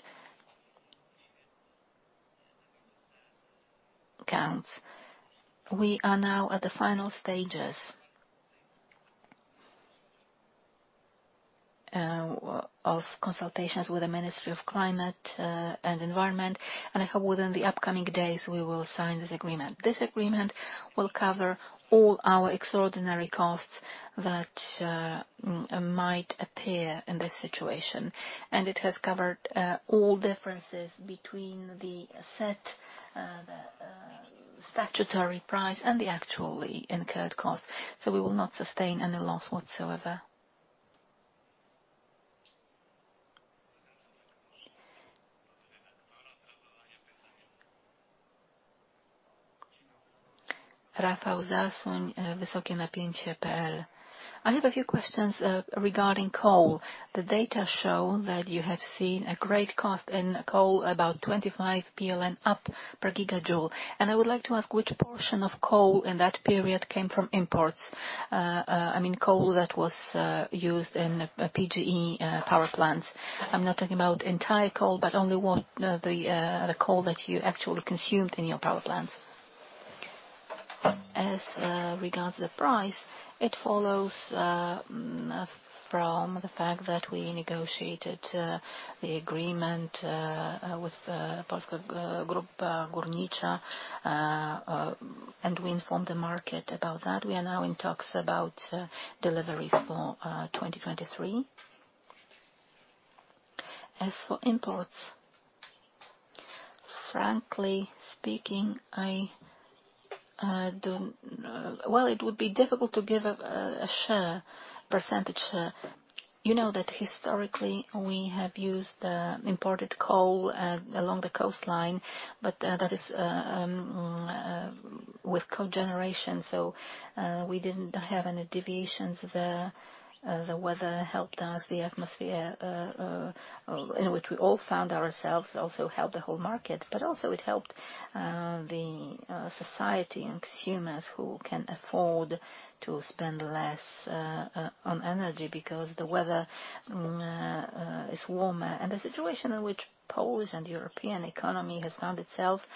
counts. We are now at the final stages of consultations with the Ministry of Climate and Environment, and I hope within the upcoming days, we will sign this agreement. This agreement will cover all our extraordinary costs that might appear in this situation. It has covered all differences between the set the Statutory price and the actually incurred cost. We will not sustain any loss whatsoever. I have a few questions regarding coal. The data show that you have seen a great cost in coal, about 25 PLN up per gigajoule. I would like to ask which portion of coal in that period came from imports? I mean, coal that was used in PGE power plants. I'm not talking about entire coal, but only what the coal that you actually consumed in your power plants. As regards the price, it follows from the fact that we negotiated the agreement with Polska Grupa Górnicza. We informed the market about that. We are now in talks about deliveries for 2023. As for imports, frankly speaking, Well, it would be difficult to give a share, percentage share. You know that historically we have used imported coal along the coastline. That is with cogeneration. We didn't have any deviations. The weather helped us, the atmosphere in which we all found ourselves also helped the whole market. Also it helped the society and consumers who can afford to spend less on energy because the weather is warmer. The situation in which Poland European economy has found itself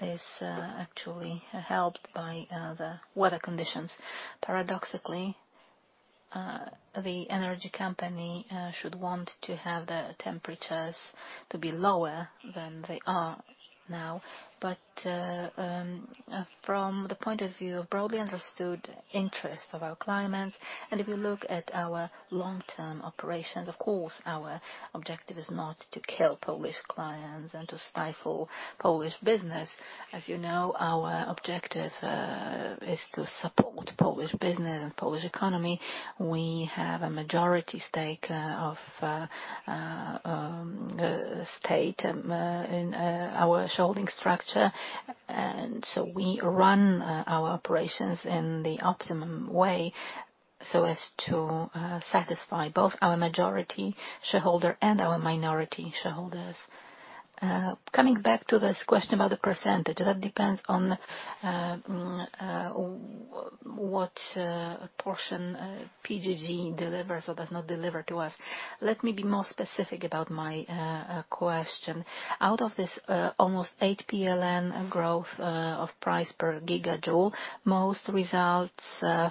is actually helped by the weather conditions. Paradoxically, the energy company should want to have the temperatures to be lower than they are now. From the point of view of broadly understood interest of our climate, and if you look at our long-term operations, of course, our objective is not to kill Polish clients and to stifle Polish business. As you know, our objective is to support Polish business and Polish economy. We have a majority stake of state in our sharing structure. We run our operations in the optimum way so as to satisfy both our majority shareholder and our minority shareholders. Coming back to this question about the percentage, that depends on what portion PGG delivers or does not deliver to us. Let me be more specific about my question. Out of this almost 8 PLN growth of price per gigajoule, most results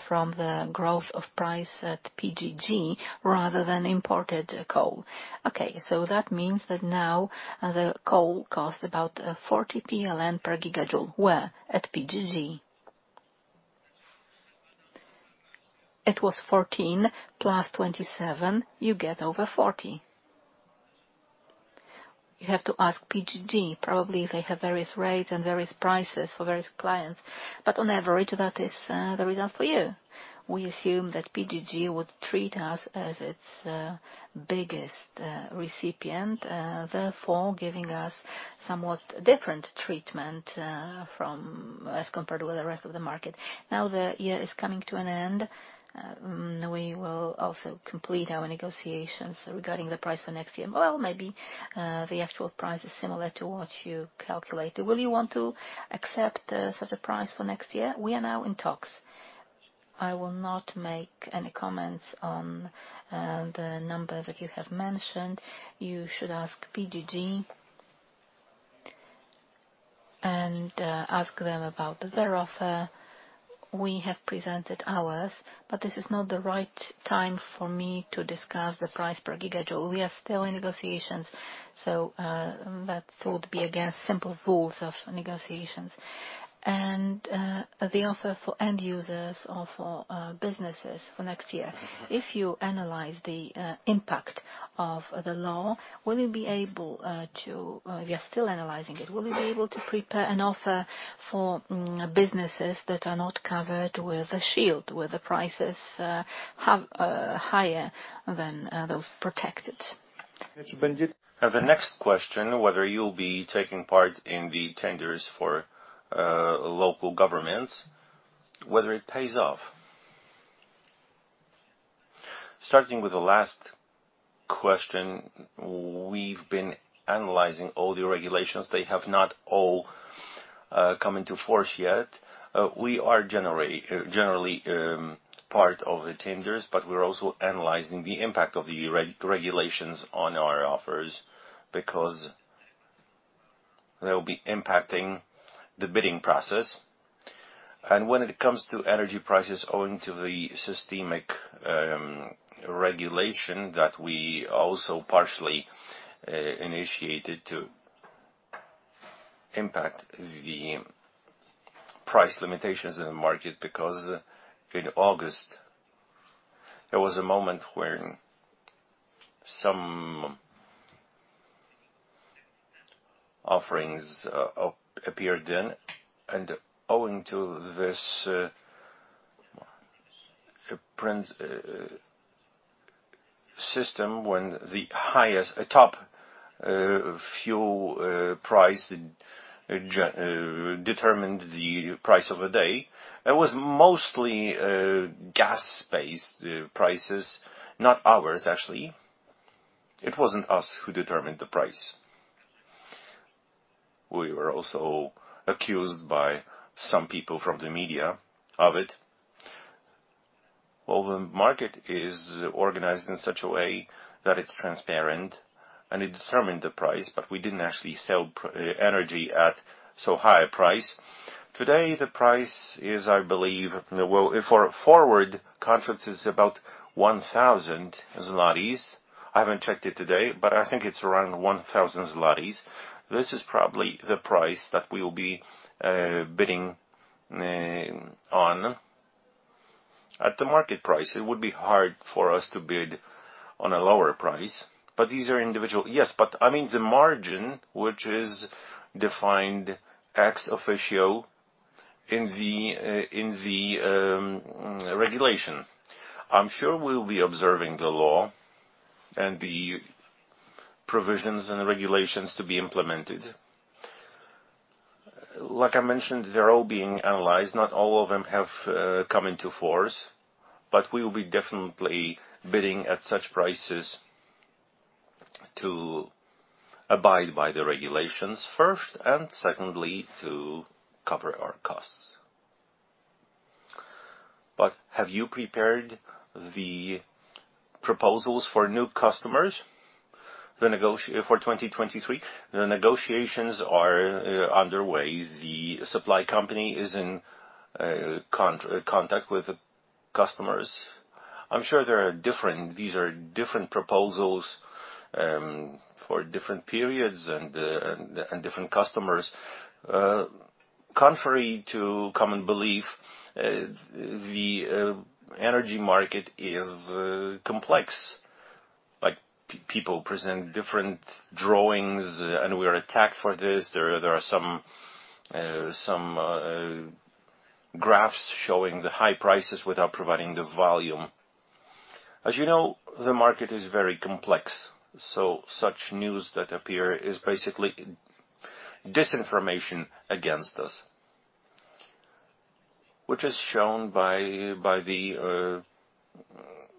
from the growth of price at PGG rather than imported coal. Okay. That means that now the coal costs about 40 PLN per gigajoule. Where? At PGG. It was 14 plus 27, you get over 40. You have to ask PGG. Probably they have various rates and various prices for various clients. On average, that is the result for you. We assume that PGG would treat us as its biggest recipient, therefore giving us somewhat different treatment as compared with the rest of the market. The year is coming to an end, we will also complete our negotiations regarding the price for next year. Maybe the actual price is similar to what you calculated. Will you want to accept such a price for next year? We are now in talks. I will not make any comments on the number that you have mentioned. You should ask PGG and ask them about their offer. We have presented ours, this is not the right time for me to discuss the price per gigajoule. We are still in negotiations, that would be against simple rules of negotiations. The offer for end users or for businesses for next year. If you analyze the impact of the law, will you be able, we are still analyzing it. Will you be able to prepare an offer for businesses that are not covered with a shield, where the prices have higher than those protected? The next question, whether you'll be taking part in the tenders for local governments, whether it pays off? Starting with the last question, we've been analyzing all the regulations. They have not all come into force yet. We are generally part of the tenders, but we're also analyzing the impact of the regulations on our offers because they'll be impacting the bidding process. When it comes to energy prices owing to the systemic regulation that we also partially initiated to impact the price limitations in the market. In August, there was a moment when Some offerings appeared then, and owing to this print system when the highest top fuel price determined the price of a day, it was mostly gas-based prices, not ours, actually. It wasn't us who determined the price. We were also accused by some people from the media of it. Well, the market is organized in such a way that it's transparent and it determined the price, but we didn't actually sell energy at so high a price. Today, the price is, I believe, well, for forward contracts, it's about 1,000. I haven't checked it today, but I think it's around 1,000. This is probably the price that we will be bidding on at the market price. It would be hard for us to bid on a lower price. Yes, but I mean, the margin which is defined ex officio in the regulation. I'm sure we'll be observing the law and the provisions and the regulations to be implemented. Like I mentioned, they're all being analyzed. Not all of them have come into force, but we will be definitely bidding at such prices to abide by the regulations first, and secondly, to cover our costs. Have you prepared the proposals for new customers for 2023? The negotiations are underway. The supply company is in contact with the customers. I'm sure these are different proposals for different periods and different customers. Contrary to common belief, the energy market is complex. Like people present different drawings and we are attacked for this. There are some graphs showing the high prices without providing the volume. As you know, the market is very complex, such news that appear is basically disinformation against us, which is shown by the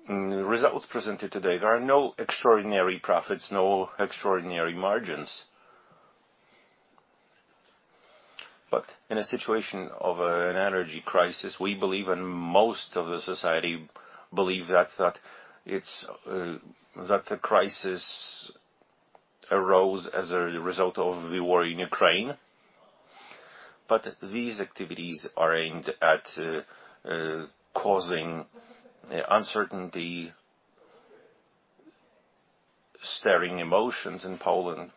results presented today. There are no extraordinary profits, no extraordinary margins. In a situation of an energy crisis, we believe, and most of the society believe that it's that the crisis arose as a result of the war in Ukraine. These activities are aimed at causing uncertainty, stirring emotions in Poland,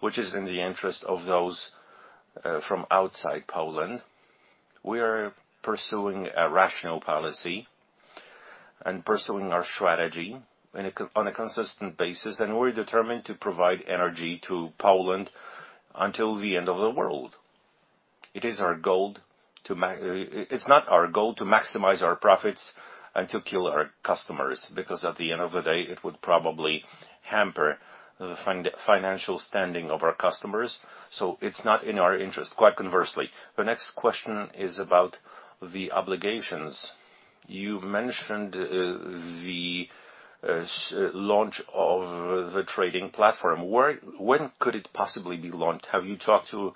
which is in the interest of those from outside Poland. We are pursuing a rational policy and pursuing our strategy on a consistent basis, we're determined to provide energy to Poland until the end of the world. It's not our goal to maximize our profits and to kill our customers, because at the end of the day, it would probably hamper the financial standing of our customers, so it's not in our interest, quite conversely. The next question is about the obligations. You mentioned the launch of the trading platform. Where, when could it possibly be launched? Have you talked to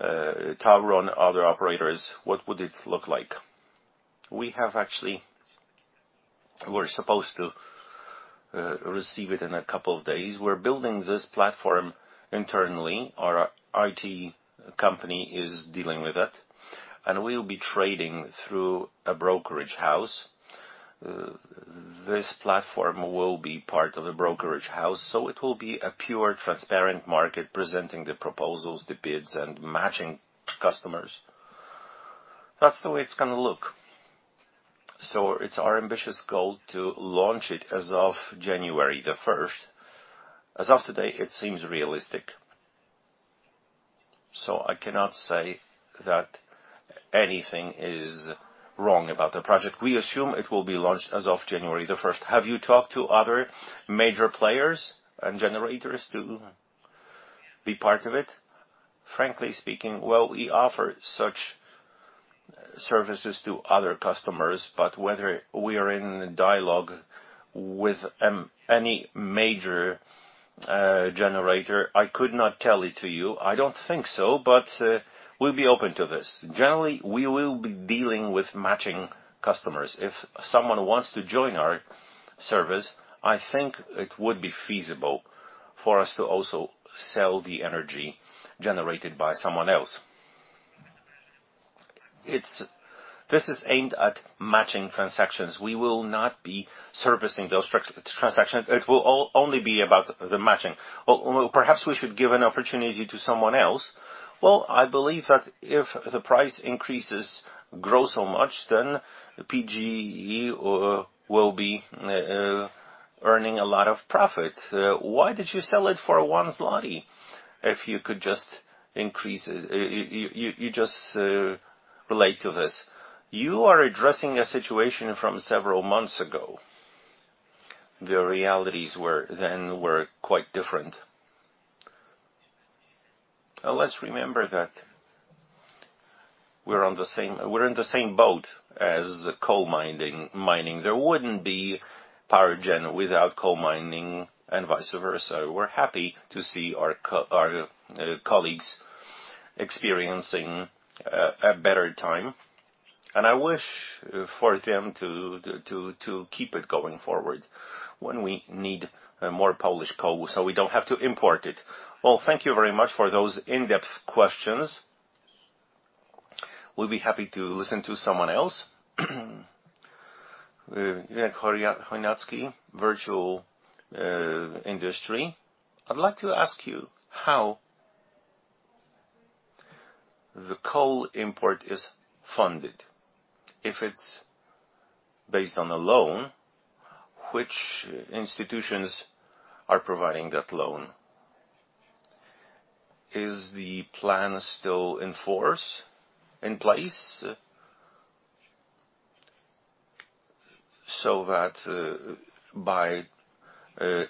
Orlen, Tauron, other operators? What would it look like? We have actually, we're supposed to receive it in a couple of days. We're building this platform internally. Our IT company is dealing with it, and we'll be trading through a brokerage house. This platform will be part of a brokerage house, so it will be a pure, transparent market presenting the proposals, the bids, and matching customers. That's the way it's gonna look. It's our ambitious goal to launch it as of January 1st. As of today, it seems realistic. I cannot say that anything is wrong about the project. We assume it will be launched as of January 1st. Have you talked to other major players and generators to be part of it? Frankly speaking, well, we offer such services to other customers, but whether we are in dialogue with any major generator, I could not tell it to you. I don't think so, but we'll be open to this. Generally, we will be dealing with matching customers. If someone wants to join our service, I think it would be feasible for us to also sell the energy generated by someone else. This is aimed at matching transactions. We will not be servicing those transactions. It will only be about the matching. Perhaps we should give an opportunity to someone else. I believe that if the price increases grow so much, then PGE will be earning a lot of profit. Why did you sell it for 1 zloty if you could just increase it? You just relate to this. You are addressing a situation from several months ago. The realities then were quite different. Let's remember that we're in the same boat as coal mining. There wouldn't be power gen without coal mining and vice versa. We're happy to see our colleagues experiencing a better time, and I wish for them to keep it going forward when we need more Polish coal, so we don't have to import it. Thank you very much for those in-depth questions. We'll be happy to listen to someone else. We have Ireneusz Chojnacki, Virtual Industry. I'd like to ask you how the coal import is funded. If it's based on a loan, which institutions are providing that loan? Is the plan still in force, in place? That by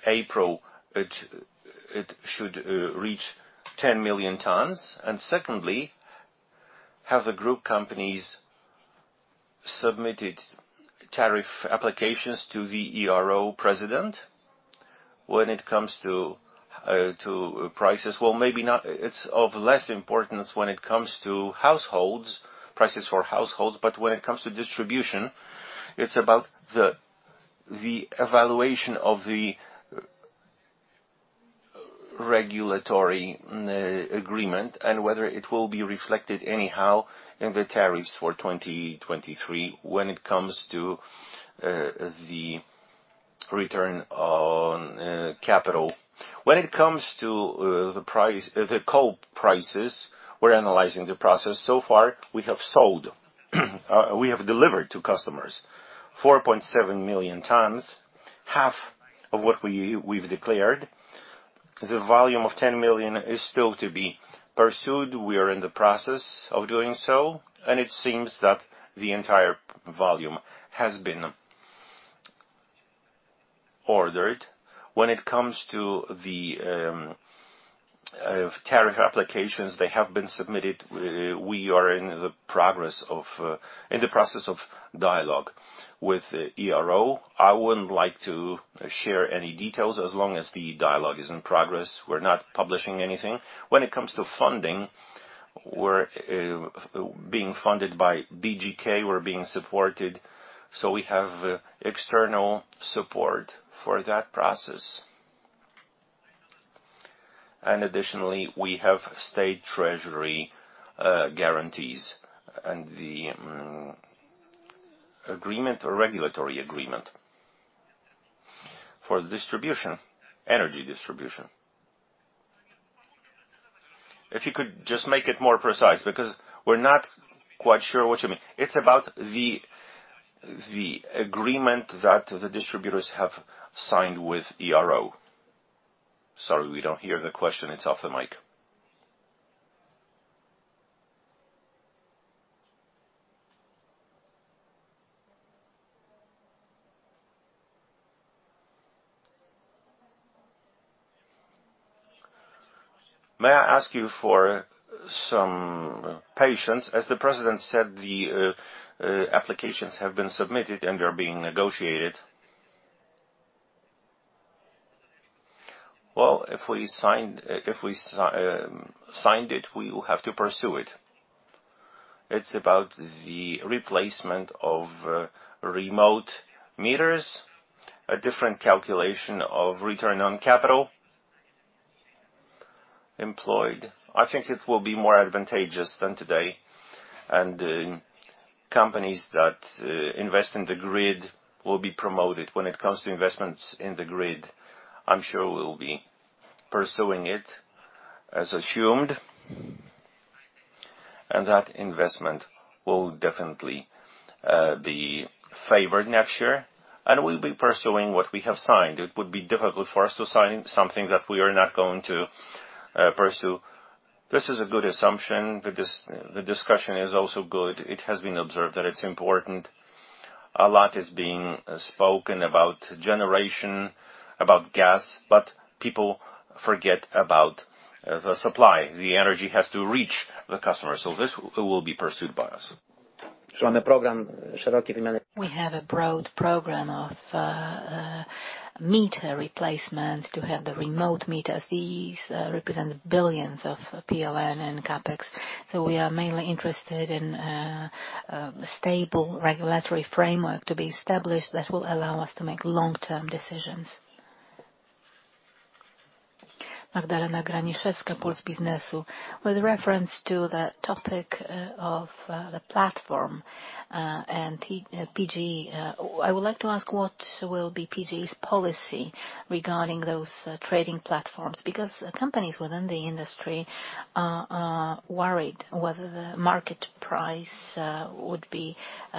April, it should reach 10 million tons. Secondly, have the group companies submitted tariff applications to the ERO President when it comes to prices? Well, maybe not. It's of less importance when it comes to households, prices for households, but when it comes to distribution, it's about the evaluation of the regulatory agreement and whether it will be reflected anyhow in the tariffs for 2023 when it comes to the return on capital. When it comes to the coal prices, we're analyzing the process. So far, we have sold, we have delivered to customers 4.7 million tons, half of what we've declared. The volume of 10 million is still to be pursued. We are in the process of doing so, it seems that the entire volume has been ordered. When it comes to the tariff applications, they have been submitted. We are in the process of dialogue with ERO. I wouldn't like to share any details as long as the dialogue is in progress. We're not publishing anything. When it comes to funding, we're being funded by BGK. We're being supported, we have external support for that process. Additionally, we have state treasury guarantees and the agreement or regulatory agreement for distribution, energy distribution. If you could just make it more precise, because we're not quite sure what you mean. It's about the agreement that the distributors have signed with ERO. Sorry, we don't hear the question. It's off the mic. May I ask you for some patience? As the President said, the applications have been submitted and they're being negotiated. If we signed, if we signed it, we will have to pursue it. It's about the replacement of remote meters, a different calculation of return on capital employed. I think it will be more advantageous than today, and companies that invest in the grid will be promoted. When it comes to investments in the grid, I'm sure we'll be pursuing it as assumed. That investment will definitely be favored next year, and we'll be pursuing what we have signed. It would be difficult for us to sign something that we are not going to pursue. This is a good assumption. The discussion is also good. It has been observed that it's important. A lot is being spoken about generation, about gas, but people forget about the supply. The energy has to reach the customer. This will be pursued by us. We have a broad program of meter replacement to have the remote meters. These represent billions of PLN and CapEx. We are mainly interested in stable regulatory framework to be established that will allow us to make long-term decisions. Magdalena Graniszewska, Puls Biznesu. With reference to the topic, of, the platform, and PGE, I would like to ask what will be PGE's policy? Regarding those trading platforms, because companies within the industry are worried whether the market price would be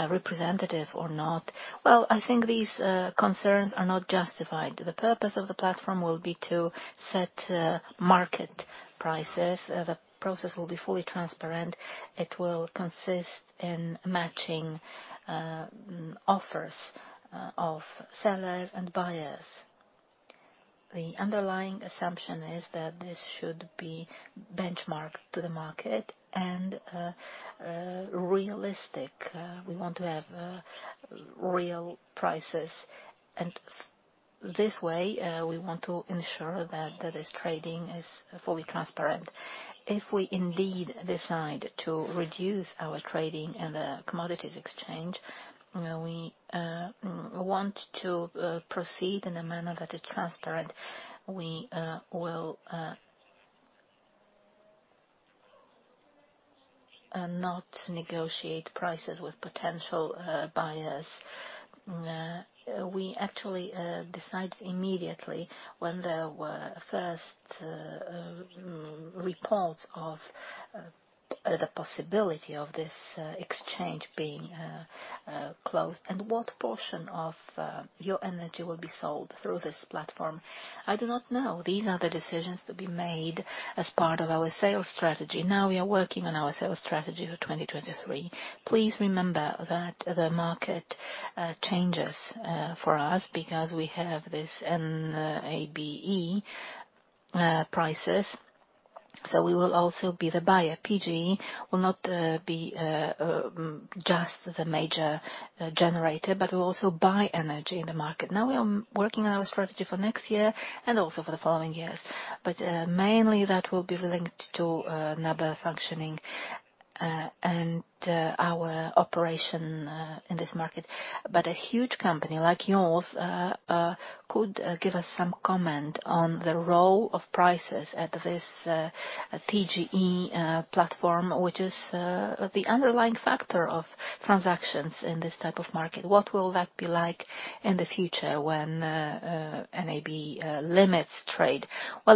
representative or not. Well, I think these concerns are not justified. The purpose of the platform will be to set market prices. The process will be fully transparent. It will consist in matching offers of sellers and buyers. The underlying assumption is that this should be benchmarked to the market and realistic. We want to have real prices. This way, we want to ensure that this trading is fully transparent. If we indeed decide to reduce our trading in the commodities exchange, you know, we want to proceed in a manner that is transparent. We will not negotiate prices with potential buyers. We actually decide immediately when there were first reports of the possibility of this exchange being closed. What portion of your energy will be sold through this platform? I do not know. These are the decisions to be made as part of our sales strategy. Now, we are working on our sales strategy for 2023. Please remember that the market changes for us because we have this NABE prices, so we will also be the buyer. PGE will not be just the major generator, but we also buy energy in the market. Now we are working on our strategy for next year and also for the following years. Mainly that will be linked to NABE functioning and our operation in this market. A huge company like yours could give us some comment on the role of prices at this PGE platform, which is the underlying factor of transactions in this type of market. What will that be like in the future when NABE limits trade?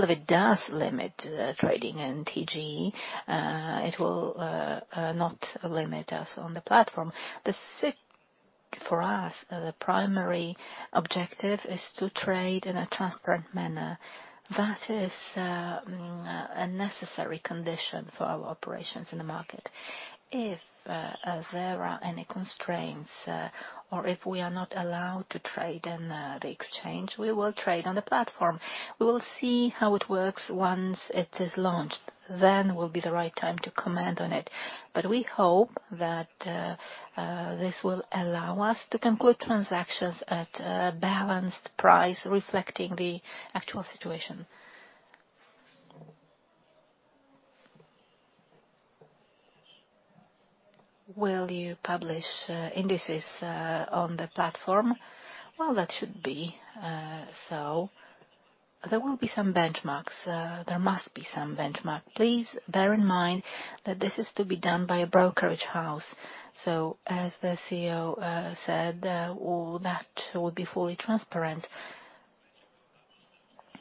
If it does limit trading in PGE, it will not limit us on the platform. For us, the primary objective is to trade in a transparent manner. That is a necessary condition for our operations in the market. If there are any constraints, or if we are not allowed to trade in the exchange, we will trade on the platform. We will see how it works once it is launched, then will be the right time to comment on it. We hope that this will allow us to conclude transactions at a balanced price reflecting the actual situation. Will you publish indices on the platform? That should be so. There will be some benchmarks. There must be some benchmark. Please bear in mind that this is to be done by a brokerage house. As the CEO said, all that will be fully transparent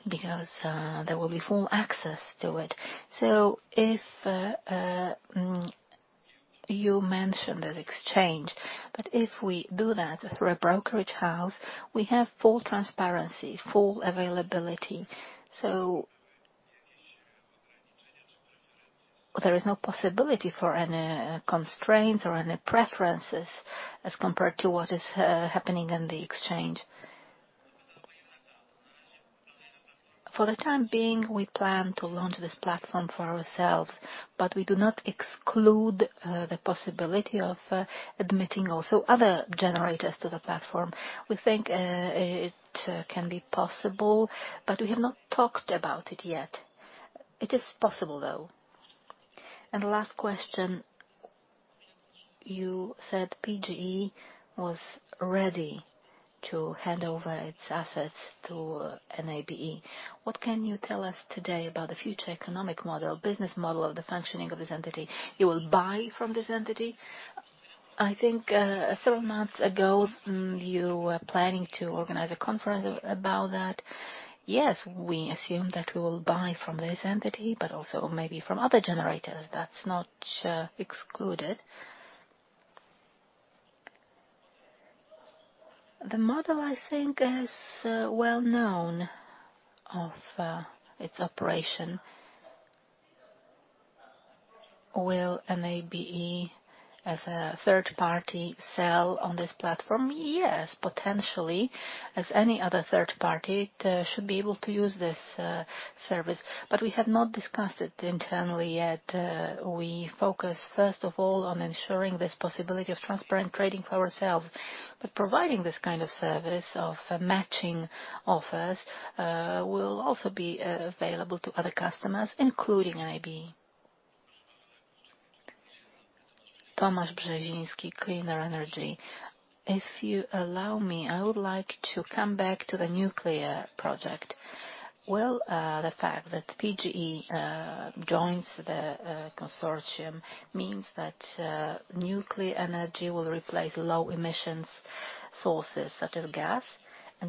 because there will be full access to it. If you mention that exchange, but if we do that through a brokerage house, we have full transparency, full availability. There is no possibility for any constraints or any preferences as compared to what is happening in the exchange. For the time being, we plan to launch this platform for ourselves, but we do not exclude the possibility of admitting also other generators to the platform. We think it can be possible, but we have not talked about it yet. It is possible, though. Last question. You said PGE was ready to hand over its assets to NABE. What can you tell us today about the future economic model, business model of the functioning of this entity? You will buy from this entity? I think several months ago, you were planning to organize a conference about that. Yes. We assume that we will buy from this entity, but also maybe from other generators. That's not excluded. The model, I think, is well known of its operation. Will NABE, as a third party, sell on this platform? Yes, potentially, as any other third party, it should be able to use this service. We have not discussed it internally yet. We focus first of all on ensuring this possibility of transparent trading for ourselves. Providing this kind of service of matching offers will also be available to other customers, including NABE. Tomasz Brzezinski, Cleaner Energy. If you allow me, I would like to come back to the nuclear project. Well, the fact that PGE joins the consortium means that nuclear energy will replace low emissions sources such as gas.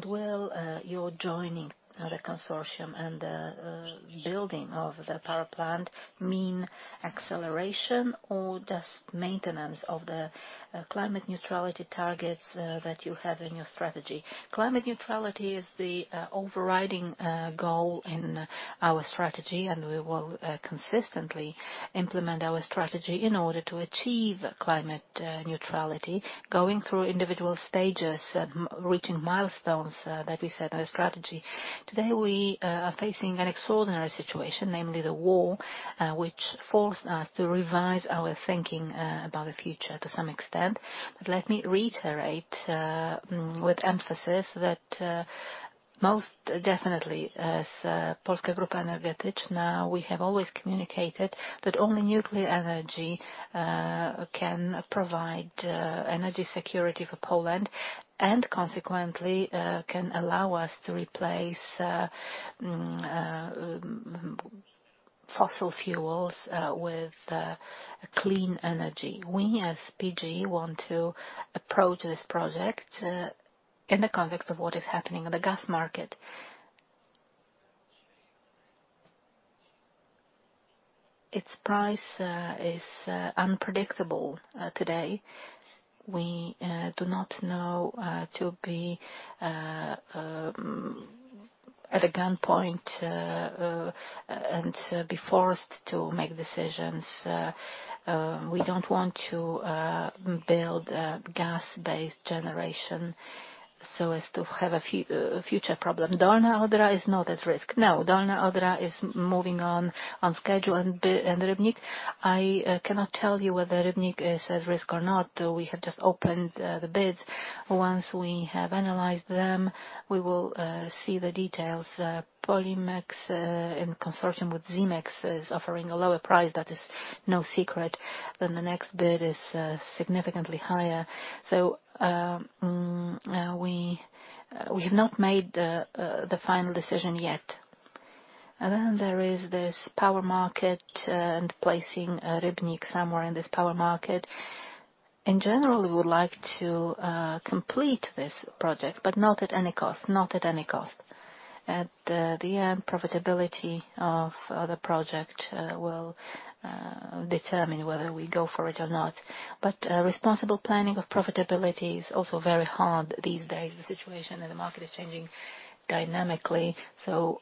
Will your joining the consortium and the building of the power plant mean acceleration or just maintenance of the climate neutrality targets that you have in your strategy? Climate neutrality is the overriding goal in our strategy, and we will consistently implement our strategy in order to achieve climate neutrality, going through individual stages, reaching milestones that we set our strategy. Today, we are facing an extraordinary situation, namely the war, which forced us to revise our thinking about the future to some extent. Let me reiterate with emphasis that most definitely, as Polska Grupa Energetyczna, we have always communicated that only nuclear energy can provide energy security for Poland, and consequently, can allow us to replace fossil fuels with clean energy. We, as PGE, want to approach this project in the context of what is happening in the gas market. Its price is unpredictable today. We do not know to be at a gunpoint and be forced to make decisions. We don't want to build a gas-based generation, so as to have a future problem. Dolna Odra is not at risk. No, Dolna Odra is moving on schedule. Rybnik, I cannot tell you whether Rybnik is at risk or not. We have just opened the bids. Once we have analyzed them, we will see the details. Polimex in consortium with Siemens is offering a lower price. That is no secret. The next bid is significantly higher. We have not made the final decision yet. There is this power market and placing Rybnik somewhere in this power market. In general, we would like to complete this project, but not at any cost. Not at any cost. The profitability of the project will determine whether we go for it or not. Responsible planning of profitability is also very hard these days. The situation in the market is changing dynamically, so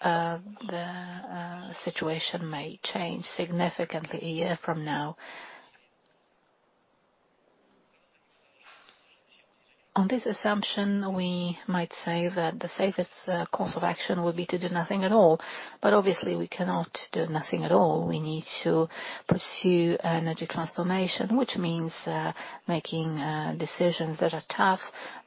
the situation may change significantly a year from now. On this assumption, we might say that the safest course of action would be to do nothing at all. Obviously, we cannot do nothing at all. We need to pursue energy transformation, which means making decisions that are tough,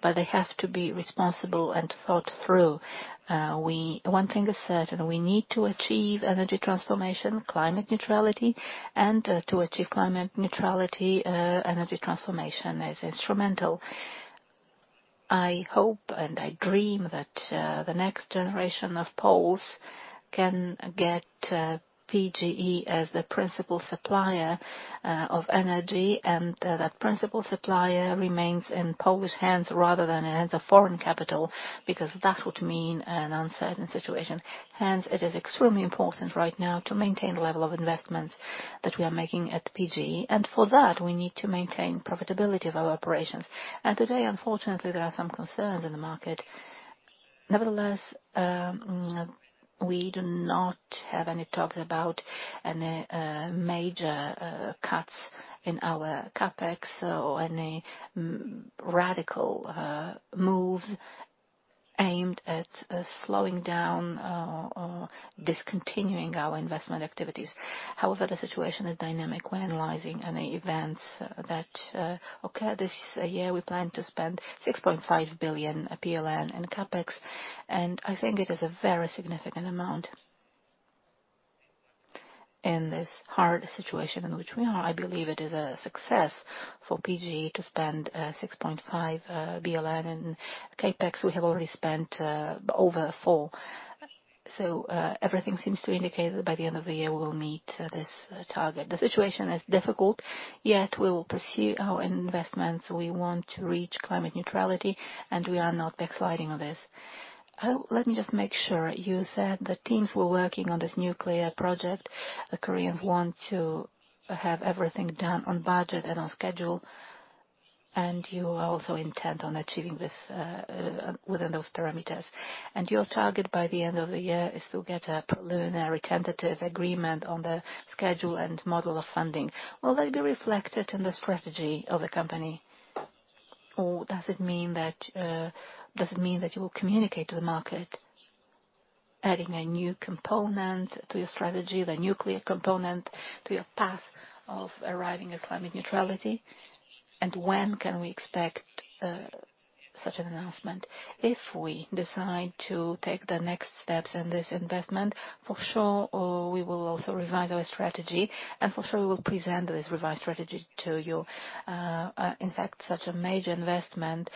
but they have to be responsible and thought through. One thing is certain, we need to achieve energy transformation, climate neutrality. To achieve climate neutrality, energy transformation is instrumental. I hope and I dream that the next generation of Poles can get PGE as the principal supplier of energy, and that principal supplier remains in Polish hands rather than in the foreign capital, because that would mean an uncertain situation. It is extremely important right now to maintain the level of investments that we are making at PGE, and for that, we need to maintain profitability of our operations. Today, unfortunately, there are some concerns in the market. We do not have any talks about any major cuts in our CapEx or any radical moves aimed at slowing down or discontinuing our investment activities. The situation is dynamic. We're analyzing any events that occur. This year, we plan to spend 6.5 billion PLN in CapEx. I think it is a very significant amount. In this hard situation in which we are, I believe it is a success for PGE to spend 6.5 in CapEx. We have already spent over 4. Everything seems to indicate that by the end of the year, we will meet this target. The situation is difficult. We will pursue our investments. We want to reach climate neutrality. We are not backsliding on this. Let me just make sure. You said the teams were working on this nuclear project. The Koreans want to have everything done on budget and on schedule. You also intend on achieving this within those parameters. Your target by the end of the year is to get a preliminary tentative agreement on the schedule and model of funding. Will that be reflected in the strategy of the company? Does it mean that you will communicate to the market adding a new component to your strategy, the nuclear component to your path of arriving at climate neutrality? When can we expect such an announcement? If we decide to take the next steps in this investment, for sure, we will also revise our strategy, and for sure, we will present this revised strategy to you. In fact, such a major investment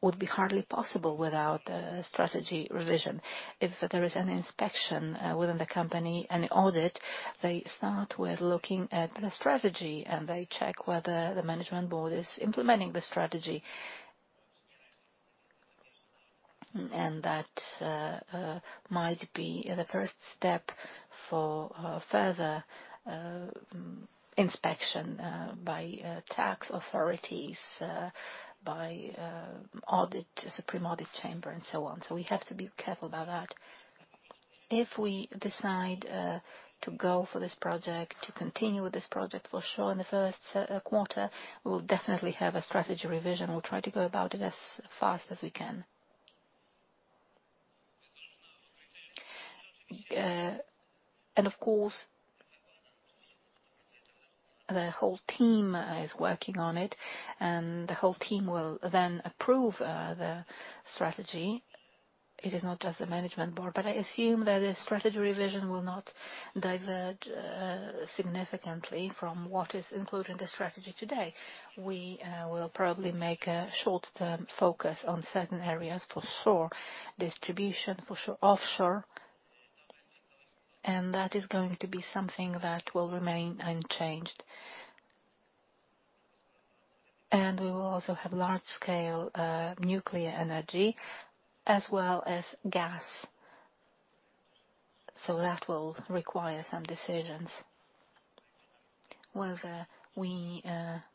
Would be hardly possible without a strategy revision. If there is an inspection within the company and audit, they start with looking at the strategy and they check whether the management board is implementing the strategy. That might be the first step for further inspection by tax authorities, by audit, Supreme Audit Office and so on. We have to be careful about that. If we decide to go for this project, to continue with this project, for sure in the first quarter, we'll definitely have a strategy revision. We'll try to go about it as fast as we can. Of course, the whole team is working on it, and the whole team will then approve the strategy. It is not just the management board. I assume that the strategy revision will not divert significantly from what is included in the strategy today. We will probably make a short-term focus on certain areas for sure, distribution for sure, offshore, that is going to be something that will remain unchanged. We will also have large-scale nuclear energy as well as gas. That will require some decisions, whether we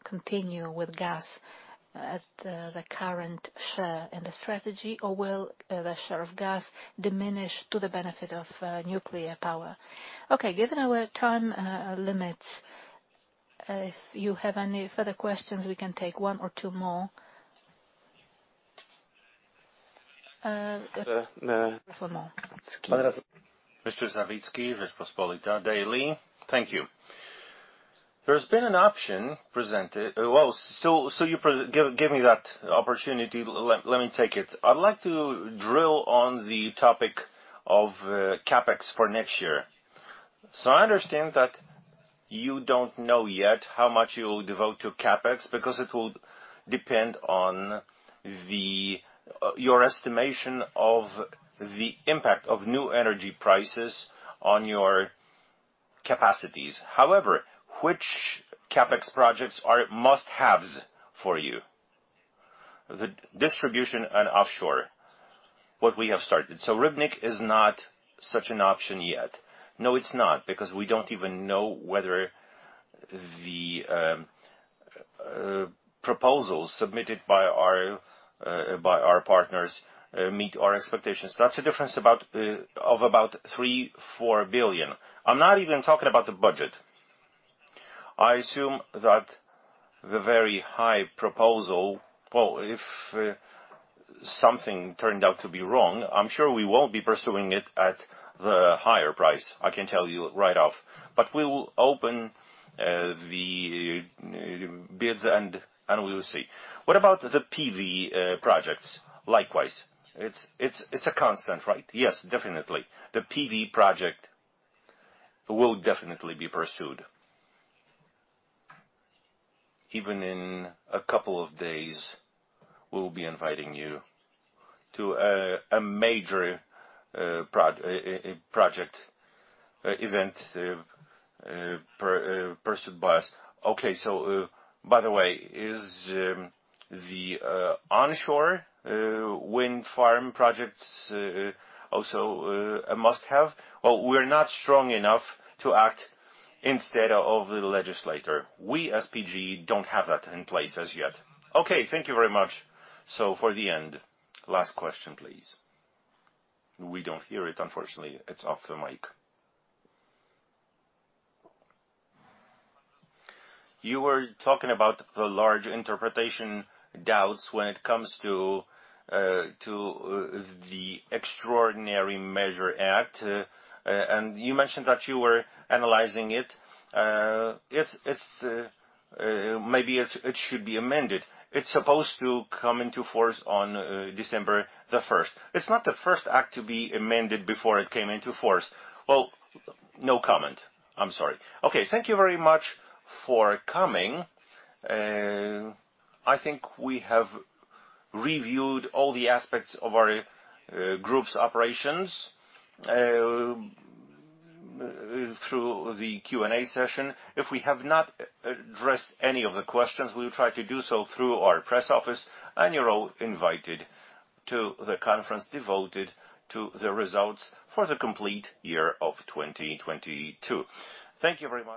continue with gas at the current share in the strategy or will the share of gas diminish to the benefit of nuclear power. Okay, given our time limits, if you have any further questions, we can take one or two more. One more. Mr. Kubicki, Rzeczpospolita. Thank you. There's been an option presented. You give me that opportunity, let me take it. I'd like to drill on the topic of CapEx for next year. I understand that you don't know yet how much you'll devote to CapEx because it will depend on your estimation of the impact of new energy prices on your capacities. Which CapEx projects are must-haves for you? The distribution and offshore, what we have started. Rybnik is not such an option yet? No, it's not, because we don't even know whether the proposals submitted by our by our partners meet our expectations. That's a difference about of about 3 billion-4 billion. I'm not even talking about the budget. I assume that the very high proposal, well, if something turned out to be wrong, I'm sure we won't be pursuing it at the higher price, I can tell you right off. We will open the bids and we will see. What about the PV projects likewise? It's a constant, right? Yes, definitely. The PV project will definitely be pursued. Even in a couple of days, we'll be inviting you to a major project event pursued by us. By the way, is the onshore wind farm projects also a must-have? Well, we're not strong enough to act instead of the legislator. We as PGE don't have that in place as yet. Okay, thank you very much. For the end, last question, please. We don't hear it, unfortunately. It's off the mic. You were talking about the large interpretation doubts when it comes to, the Extraordinary Measure Act, and you mentioned that you were analyzing it. It's maybe it should be amended. It's supposed to come into force on December 1st. It's not the first act to be amended before it came into force. Well, no comment. I'm sorry. Okay, thank you very much for coming. I think we have reviewed all the aspects of our group's operations through the Q&A session. If we have not addressed any of the questions, we'll try to do so through our press office. You're all invited to the conference devoted to the results for the complete year of 2022. Thank you very much.